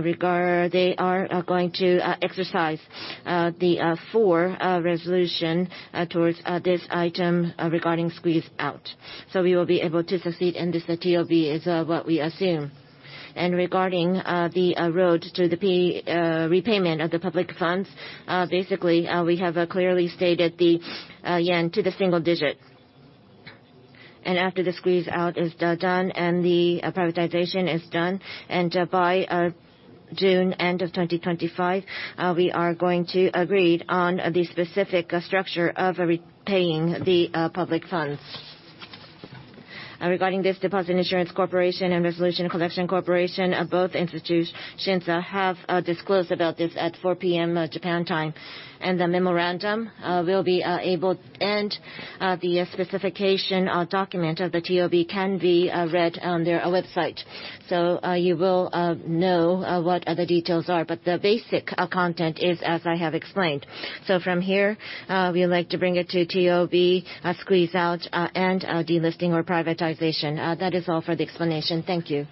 regard they are going to exercise the four resolution towards this item regarding squeeze-out. We will be able to succeed in this TOB is what we assume. Regarding the road to the repayment of the public funds, basically, we have clearly stated the yen to the single digit. After the squeeze-out is done and the privatization is done, by June, end of 2025, we are going to agreed on the specific structure of repaying the public funds. Regarding this Deposit Insurance Corporation and Resolution and Collection Corporation, both institutions have disclosed about this at 4:00 P.M. Japan time. The memorandum will be able and the specification document of the TOB can be read on their website. You will know what the details are, but the basic content is as I have explained. From here, we would like to bring it to TOB, squeeze out, and delisting or privatization. That is all for the explanation. Thank you.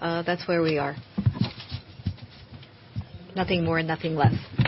That's where we are. Nothing more, nothing less.